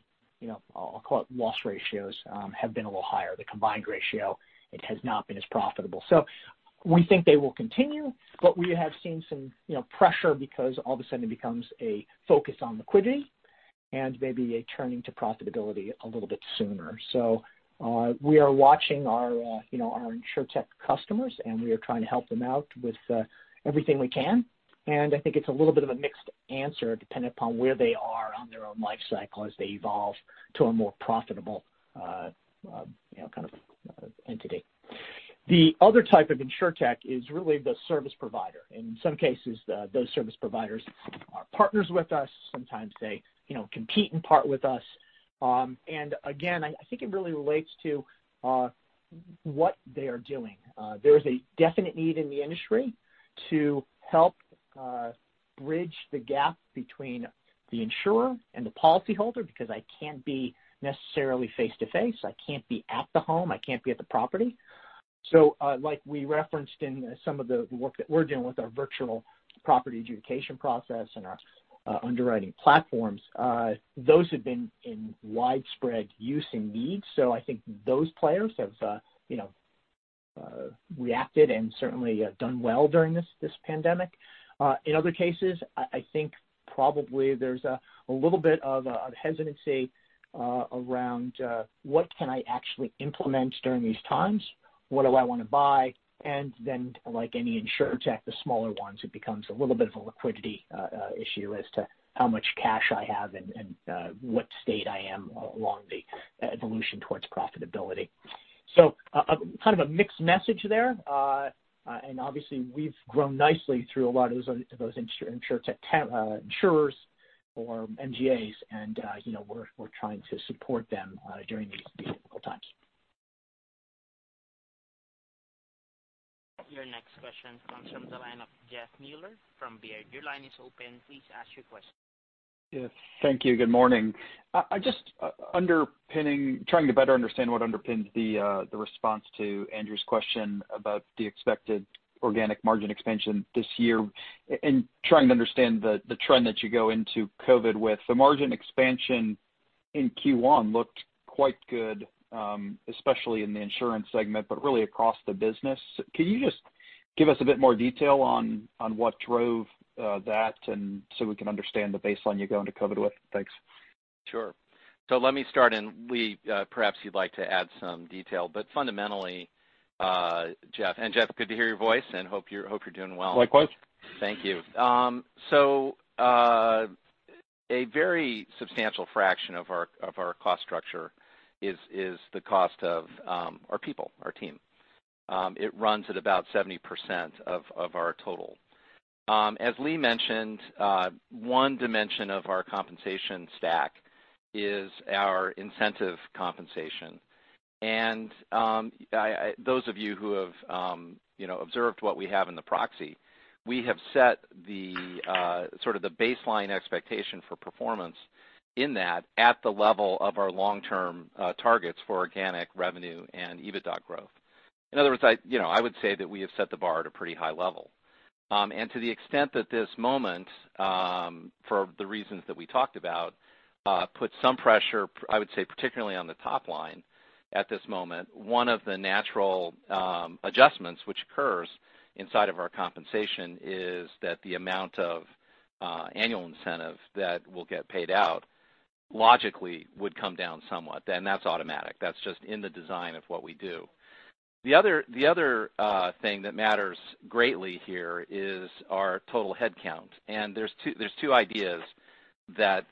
I'll call it loss ratios, have been a little higher. The combined ratio, it has not been as profitable. So we think they will continue, but we have seen some pressure because all of a sudden it becomes a focus on liquidity and maybe a turning to profitability a little bit sooner. So we are watching our insurtech customers, and we are trying to help them out with everything we can. I think it's a little bit of a mixed answer depending upon where they are on their own life cycle as they evolve to a more profitable kind of entity. The other type of insurtech is really the service provider. In some cases, those service providers are partners with us. Sometimes they compete and part with us. And again, I think it really relates to what they are doing. There is a definite need in the industry to help bridge the gap between the insurer and the policyholder because I can't be necessarily face-to-face. I can't be at the home. I can't be at the property. So like we referenced in some of the work that we're doing with our virtual property adjudication process and our underwriting platforms, those have been in widespread use and need. So I think those players have reacted and certainly done well during this pandemic. In other cases, I think probably there's a little bit of hesitancy around what can I actually implement during these times? What do I want to buy? And then like any insurtech, the smaller ones, it becomes a little bit of a liquidity issue as to how much cash I have and what state I am along the evolution towards profitability. So kind of a mixed message there. And obviously, we've grown nicely through a lot of those insurers or MGAs, and we're trying to support them during these difficult times. Your next question comes from the line of Jeff Meuler, from Baird. Your line is open. Please ask your question. Thank you. Good morning. Just trying to better understand what underpins the response to Andrew's question about the expected organic margin expansion this year and trying to understand the trend that you go into COVID with. The margin expansion in Q1 looked quite good, especially in the insurance segment, but really across the business. Can you just give us a bit more detail on what drove that so we can understand the baseline you go into COVID with? Thanks. Sure, so let me start, and perhaps you'd like to add some detail, but fundamentally, Jeff, and Jeff, good to hear your voice and hope you're doing well. Likewise. Thank you, so a very substantial fraction of our cost structure is the cost of our people, our team. It runs at about 70%, of our total. As Lee mentioned, one dimension of our compensation stack is our incentive compensation. And those of you who have observed what we have in the proxy, we have set sort of the baseline expectation for performance in that at the level of our long-term targets for organic revenue and EBITDA growth. In other words, I would say that we have set the bar at a pretty high level. And to the extent that this moment, for the reasons that we talked about, puts some pressure, I would say, particularly on the top line at this moment, one of the natural adjustments which occurs inside of our compensation is that the amount of annual incentive that will get paid out logically would come down somewhat. And that's automatic. That's just in the design of what we do. The other thing that matters greatly here is our total headcount. And there's two ideas that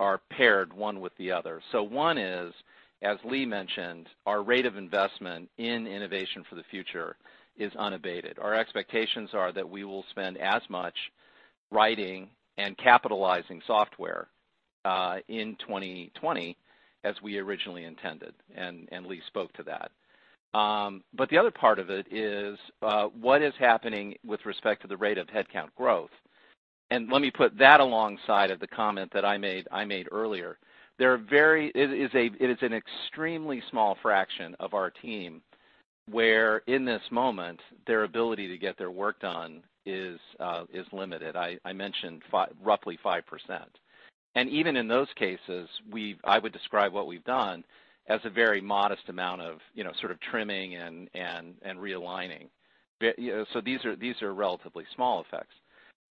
are paired one with the other. So one is, as Lee mentioned, our rate of investment in innovation for the future is unabated. Our expectations are that we will spend as much writing and capitalizing software in 2020 as we originally intended. And Lee spoke to that. But the other part of it is what is happening with respect to the rate of headcount growth. And let me put that alongside of the comment that I made earlier. It is an extremely small fraction of our team where in this moment, their ability to get their work done is limited. I mentioned roughly 5%. And even in those cases, I would describe what we've done as a very modest amount of sort of trimming and realigning. So these are relatively small effects.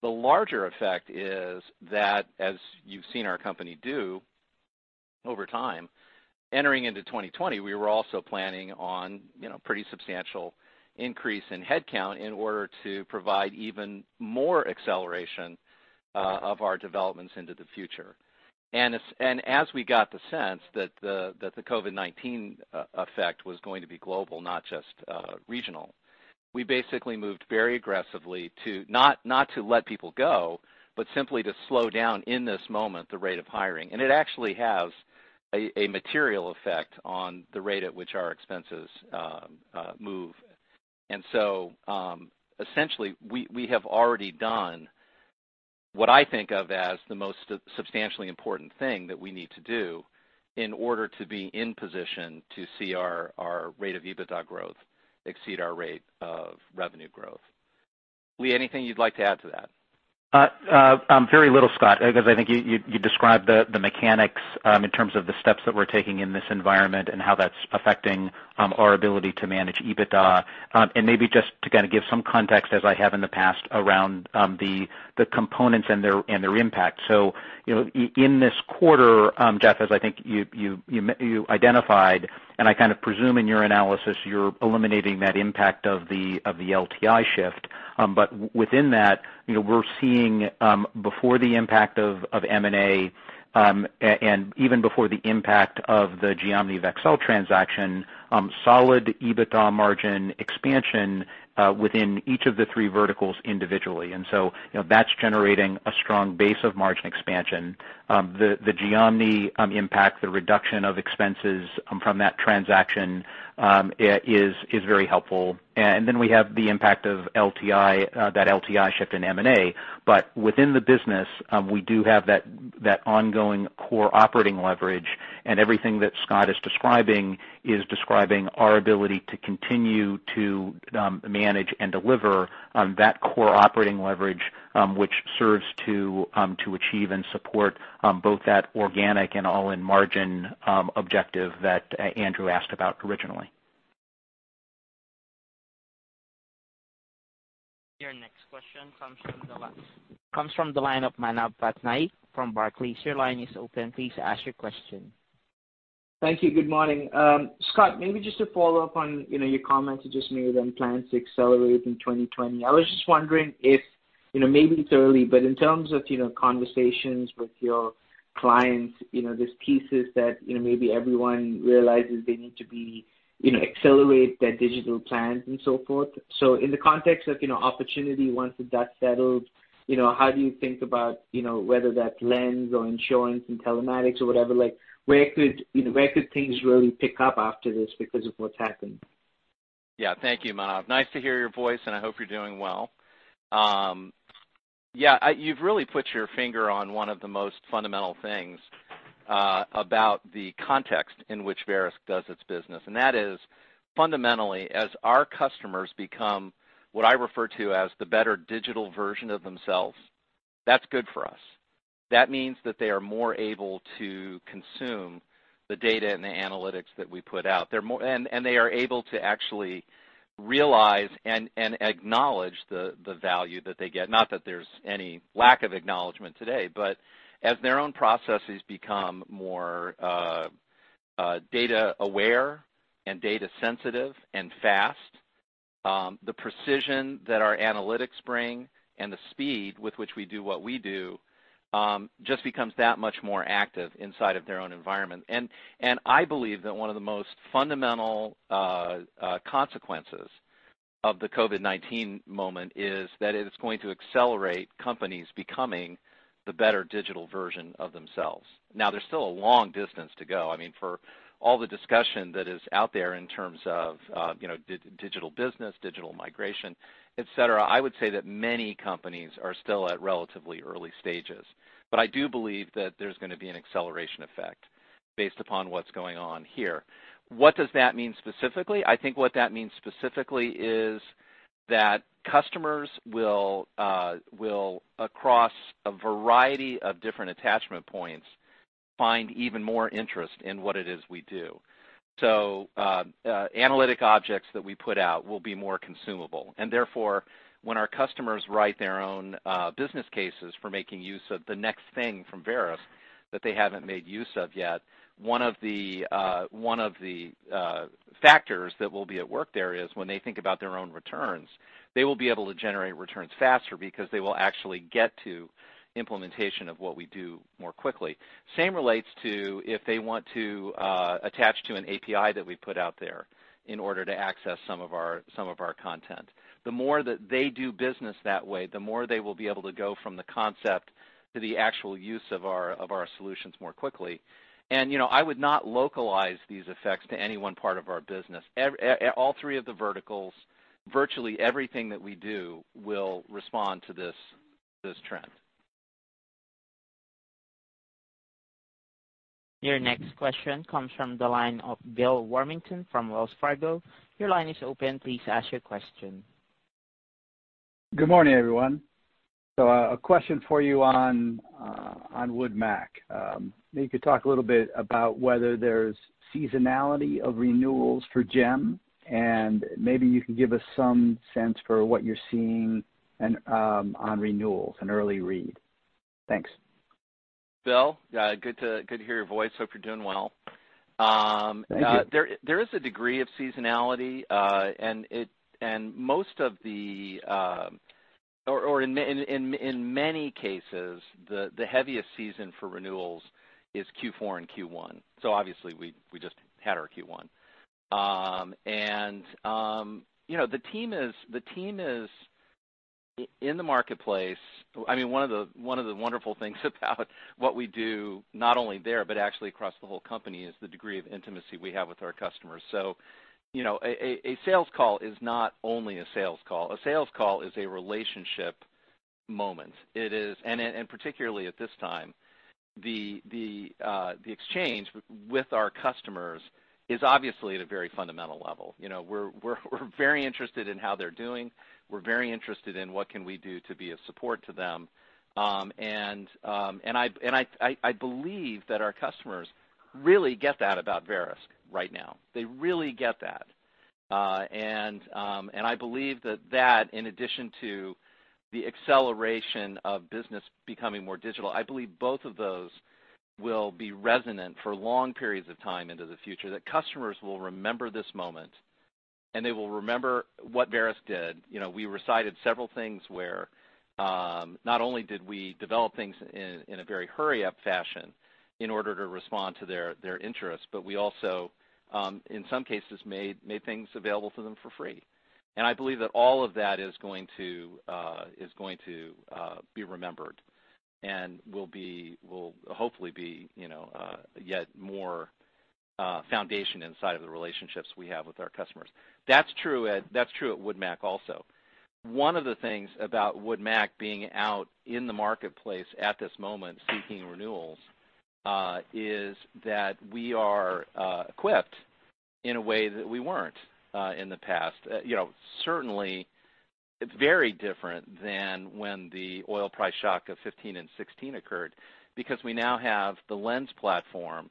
The larger effect is that, as you've seen our company do over time, entering into 2020, we were also planning on a pretty substantial increase in headcount in order to provide even more acceleration of our developments into the future. And as we got the sense that the COVID-19 effect was going to be global, not just regional, we basically moved very aggressively to not let people go, but simply to slow down in this moment the rate of hiring. And it actually has a material effect on the rate at which our expenses move. And so essentially, we have already done what I think of as the most substantially important thing that we need to do in order to be in position to see our rate of EBITDA growth, exceed our rate of revenue growth. Lee, anything you'd like to add to that? Very little, Scott, because I think you described the mechanics in terms of the steps that we're taking in this environment and how that's affecting our ability to manage EBITDA. And maybe just to kind of give some context, as I have in the past, around the components and their impact. So in this quarter, Jeff, as I think you identified, and I kind of presume in your analysis, you're eliminating that impact of the LTI shift. But within that, we're seeing before the impact of M&A and even before the impact of the GMVXL transaction, solid EBITDA margin, expansion within each of the three verticals individually. And so that's generating a strong base of margin expansion. The GMV impact, the reduction of expenses from that transaction is very helpful. And then we have the impact of that LTI shift in M&A. But within the business, we do have that ongoing core operating leverage. And everything that Scott is describing is describing our ability to continue to manage and deliver that core operating leverage, which serves to achieve and support both that organic and all-in-margin objective that Andrew asked about originally. Your next question comes from the line of Manav Patnaik, from Barclays. Your line is open. Please ask your question. Thank you. Good morning. Scott, maybe just to follow up on your comment you just made on plans to accelerate in 2020. I was just wondering if maybe it's early, but in terms of conversations with your clients, there's pieces that maybe everyone realizes they need to accelerate their digital plans and so forth. So in the context of opportunity, once that's settled, how do you think about whether that lends or insurance and telematics or whatever? Where could things really pick up after this because of what's happened? Yeah. Thank you, Manav. Nice to hear your voice, and I hope you're doing well. Yeah. You've really put your finger on one of the most fundamental things about the context in which Verisk does its business. And that is fundamentally, as our customers become what I refer to as the better digital version of themselves, that's good for us. That means that they are more able to consume the data and the analytics that we put out. And they are able to actually realize and acknowledge the value that they get. Not that there's any lack of acknowledgment today, but as their own processes become more data-aware and data-sensitive and fast, the precision that our analytics bring and the speed with which we do what we do just becomes that much more active inside of their own environment. And I believe that one of the most fundamental consequences of the COVID-19 moment is that it's going to accelerate companies becoming the better digital version of themselves. Now, there's still a long distance to go. I mean, for all the discussion that is out there in terms of digital business, digital migration, etc., I would say that many companies are still at relatively early stages. But I do believe that there's going to be an acceleration effect based upon what's going on here. What does that mean specifically? I think what that means specifically is that customers will, across a variety of different attachment points, find even more interest in what it is we do. So analytic objects that we put out will be more consumable. And therefore, when our customers write their own business cases for making use of the next thing from Verisk that they haven't made use of yet, one of the factors that will be at work there is when they think about their own returns, they will be able to generate returns faster because they will actually get to implementation of what we do more quickly. Same relates to if they want to attach to an API that we put out there in order to access some of our content. The more that they do business that way, the more they will be able to go from the concept to the actual use of our solutions more quickly. And I would not localize these effects to any one part of our business. All three of the verticals, virtually everything that we do will respond to this trend. Your next question comes from the line of Bill Warmington, from Wells Fargo. Your line is open. Please ask your question. Good morning, everyone. So a question for you on Wood Mac. Maybe you could talk a little bit about whether there's seasonality of renewals for GEM, and maybe you can give us some sense for what you're seeing on renewals, an early read. Thanks. Bill, good to hear your voice. Hope you're doing well. There is a degree of seasonality, and most of the—or in many cases, the heaviest season for renewals is Q4 and Q1. So obviously, we just had our Q1. And the team is in the marketplace. I mean, one of the wonderful things about what we do, not only there, but actually across the whole company, is the degree of intimacy we have with our customers. So a sales call is not only a sales call. A sales call is a relationship moment. And particularly at this time, the exchange with our customers is obviously at a very fundamental level. We're very interested in how they're doing. We're very interested in what can we do to be of support to them. And I believe that our customers really get that about Verisk right now. They really get that. And I believe that that, in addition to the acceleration of business becoming more digital, I believe both of those will be resonant for long periods of time into the future, that customers will remember this moment, and they will remember what Verisk did. We recited several things where not only did we develop things in a very hurry-up fashion in order to respond to their interests, but we also, in some cases, made things available to them for free. And I believe that all of that is going to be remembered and will hopefully be yet more foundation inside of the relationships we have with our customers. That's true at Wood Mac also. One of the things about Wood Mac being out in the marketplace at this moment seeking renewals is that we are equipped in a way that we weren't in the past. Certainly, very different than when the oil price shock of 2015 and 2016 occurred because we now have the Lens platform,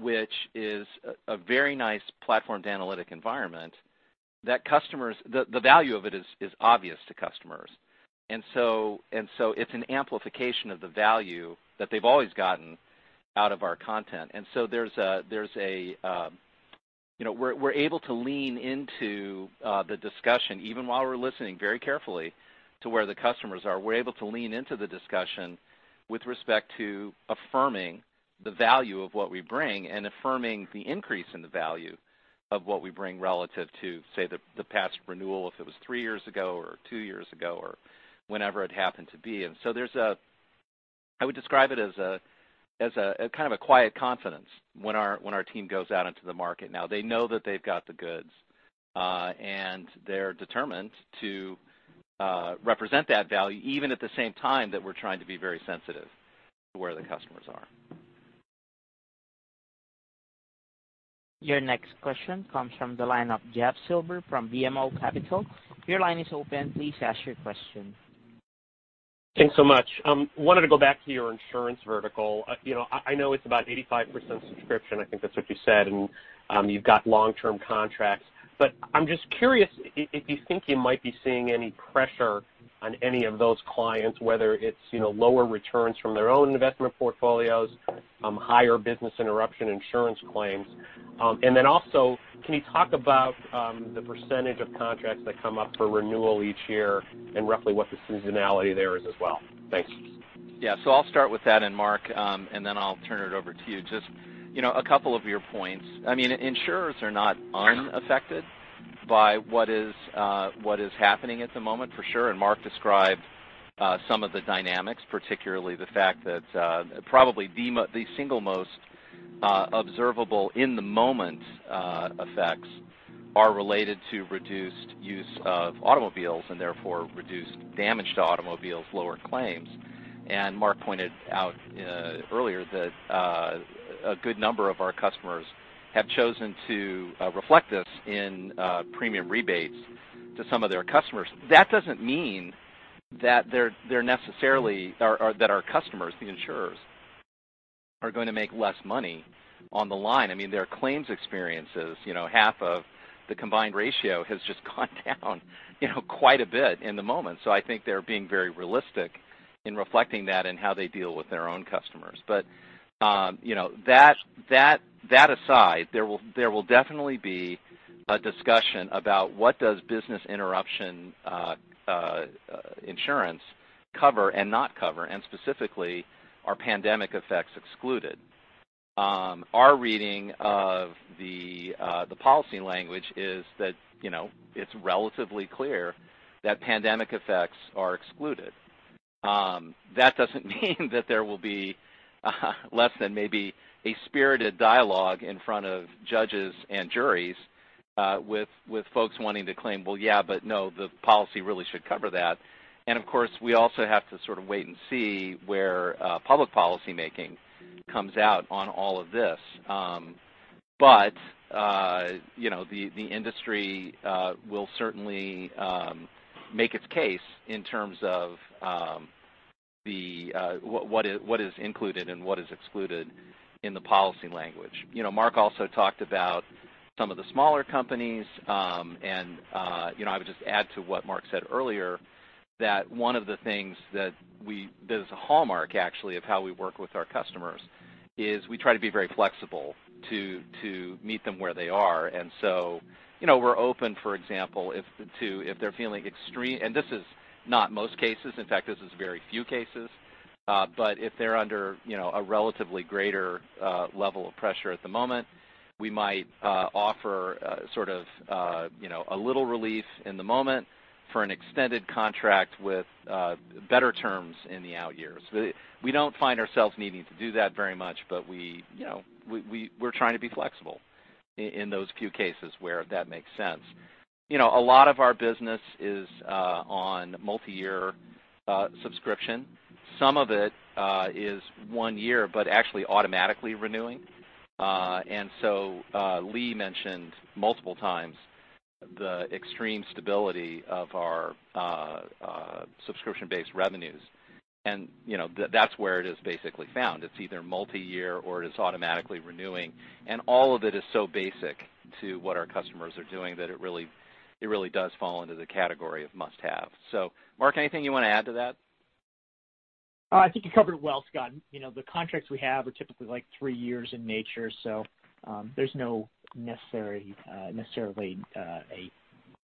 which is a very nice platformed analytic environment that the value of it is obvious to customers. And so it's an amplification of the value that they've always gotten out of our content. And so there's a. We're able to lean into the discussion, even while we're listening very carefully to where the customers are. We're able to lean into the discussion with respect to affirming the value of what we bring and affirming the increase in the value of what we bring relative to, say, the past renewal if it was three years ago or two years ago or whenever it happened to be. And so there's a. I would describe it as a kind of a quiet confidence when our team goes out into the market. Now, they know that they've got the goods, and they're determined to represent that value even at the same time that we're trying to be very sensitive to where the customers are. Your next question comes from the line of Jeff Silber, from BMO Capital. Your line is open. Please ask your question. Thanks so much. I wanted to go back to your insurance vertical. I know it's about 85% subscription. I think that's what you said, and you've got long-term contracts. But I'm just curious if you think you might be seeing any pressure on any of those clients, whether it's lower returns from their own investment portfolios, higher business interruption insurance claims. And then also, can you talk about the percentage of contracts that come up for renewal each year and roughly what the seasonality there is as well? Thanks. Yeah. So I'll start with that and Mark, and then I'll turn it over to you. Just a couple of your points. I mean, insurers are not unaffected by what is happening at the moment, for sure. And Mark described some of the dynamics, particularly the fact that probably the single most observable in the moment effects are related to reduced use of automobiles and therefore reduced damage to automobiles, lower claims. And Mark pointed out earlier that a good number of our customers have chosen to reflect this in premium rebates to some of their customers. That doesn't mean that they're necessarily or that our customers, the insurers, are going to make less money on the line. I mean, their claims experiences, half of the combined ratio has just gone down quite a bit in the moment. So I think they're being very realistic in reflecting that and how they deal with their own customers. But that aside, there will definitely be a discussion about what does business interruption insurance cover and not cover, and specifically are pandemic effects excluded. Our reading of the policy language is that it's relatively clear that pandemic effects are excluded. That doesn't mean that there will be less than maybe a spirited dialogue in front of judges and juries with folks wanting to claim, "Well, yeah, but no, the policy really should cover that." And of course, we also have to sort of wait and see where public policymaking comes out on all of this. But the industry will certainly make its case in terms of what is included and what is excluded in the policy language. Mark also talked about some of the smaller companies, and I would just add to what Mark said earlier that one of the things that is a hallmark, actually, of how we work with our customers is we try to be very flexible to meet them where they are, and so we're open, for example, to if they're feeling extreme, and this is not most cases. In fact, this is very few cases, but if they're under a relatively greater level of pressure at the moment, we might offer sort of a little relief in the moment for an extended contract with better terms in the out years. We don't find ourselves needing to do that very much, but we're trying to be flexible in those few cases where that makes sense. A lot of our business is on multi-year subscription. Some of it is one year, but actually automatically renewing. Lee mentioned, multiple times the extreme stability of our subscription-based revenues. And that's where it is basically found. It's either multi-year or it is automatically renewing. And all of it is so basic to what our customers are doing that it really does fall into the category of must-have. So Mark, anything you want to add to that? I think you covered it well, Scott. The contracts we have are typically like three years in nature, so there's not necessarily a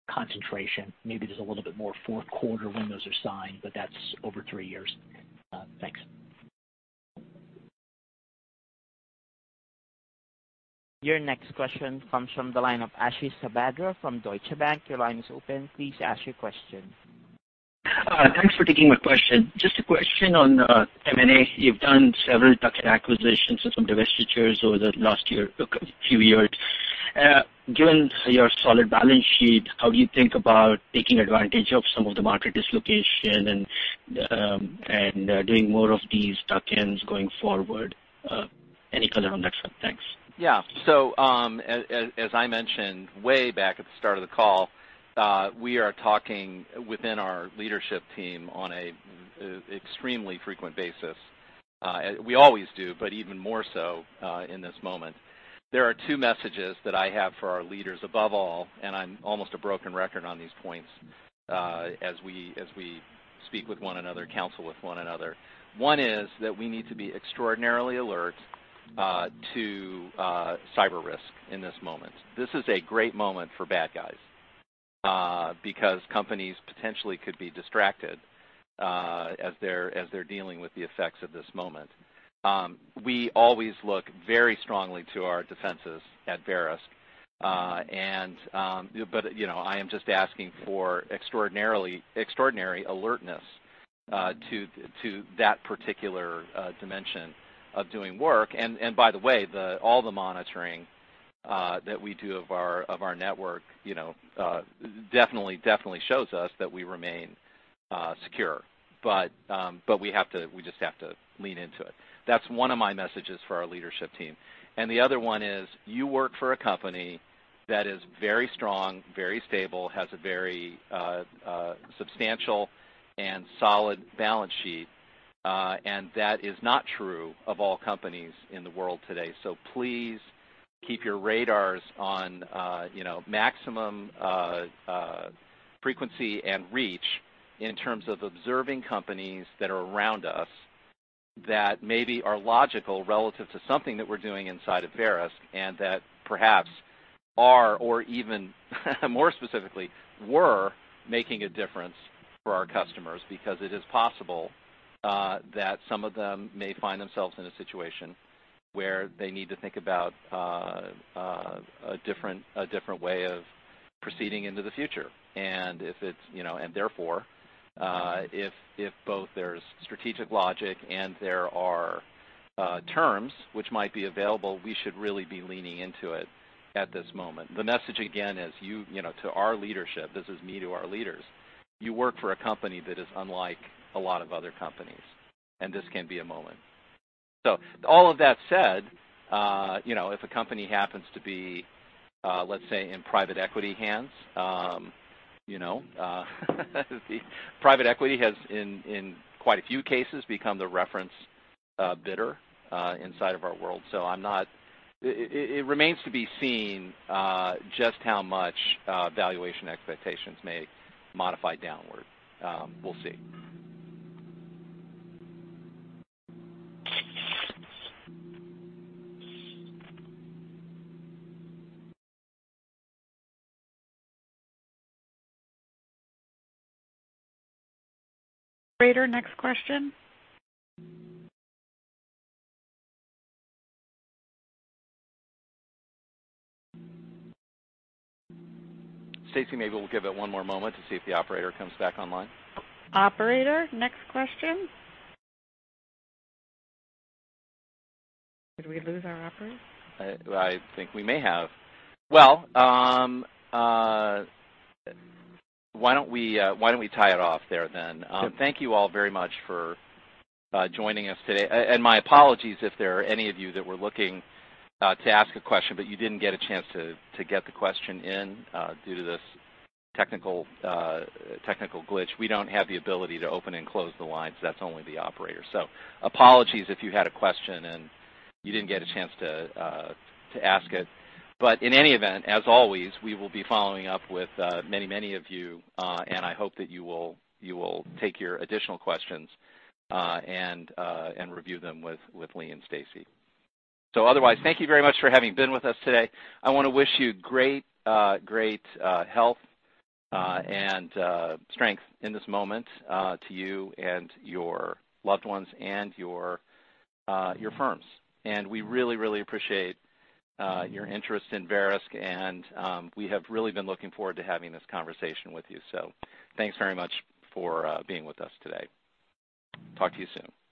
concentration. Maybe there's a little bit more fourth quarter when those are signed, but that's over three years. Thanks. Your next question comes from the line of Ashish Sabadra, from Deutsche Bank. Your line is open. Please ask your question. Thanks for taking my question. Just a question on M&A. You've done several tuck-in acquisitions and some divestitures over the last few years. Given your solid balance sheet, how do you think about taking advantage of some of the market dislocation and doing more of these tuck-ins going forward? Any color on that front? Thanks. Yeah. So as I mentioned way back at the start of the call, we are talking within our leadership team on an extremely frequent basis. We always do, but even more so in this moment. There are two messages that I have for our leaders above all, and I'm almost a broken record on these points as we speak with one another, counsel with one another. One is that we need to be extraordinarily alert to cyber risk in this moment. This is a great moment for bad guys because companies potentially could be distracted as they're dealing with the effects of this moment. We always look very strongly to our defenses at Verisk. But I am just asking for extraordinary alertness to that particular dimension of doing work. By the way, all the monitoring that we do of our network definitely shows us that we remain secure. But we just have to lean into it. That's one of my messages for our leadership team. The other one is you work for a company that is very strong, very stable, has a very substantial and solid balance sheet, and that is not true of all companies in the world today. So please keep your radars on maximum frequency and reach in terms of observing companies that are around us that maybe are logical relative to something that we're doing inside of Verisk and that perhaps are, or even more specifically, were making a difference for our customers because it is possible that some of them may find themselves in a situation where they need to think about a different way of proceeding into the future. And therefore, if both there's strategic logic and there are terms which might be available, we should really be leaning into it at this moment. The message, again, is to our leadership, this is me to our leaders, you work for a company that is unlike a lot of other companies, and this can be a moment. So all of that said, if a company happens to be, let's say, in private equity hands, private equity has in quite a few cases become the reference bidder inside of our world. So it remains to be seen just how much valuation expectations may modify downward. We'll see. Great. Our next question. Stacey, maybe we'll give it one more moment to see if the operator comes back online. Operator, next question. Did we lose our operator? I think we may have. Well, why don't we tie it off there then? Thank you all very much for joining us today. And my apologies if there are any of you that were looking to ask a question, but you didn't get a chance to get the question in due to this technical glitch. We don't have the ability to open and close the lines. That's only the operator. So apologies if you had a question and you didn't get a chance to ask it. But in any event, as always, we will be following up with many, many of you, and I hope that you will take your additional questions and review them with Lee and Stacey. So otherwise, thank you very much for having been with us today. I want to wish you great, great health and strength in this moment to you and your loved ones and your firms. And we really, really appreciate your interest in Verisk, and we have really been looking forward to having this conversation with you. So thanks very much for being with us today. Talk to you soon.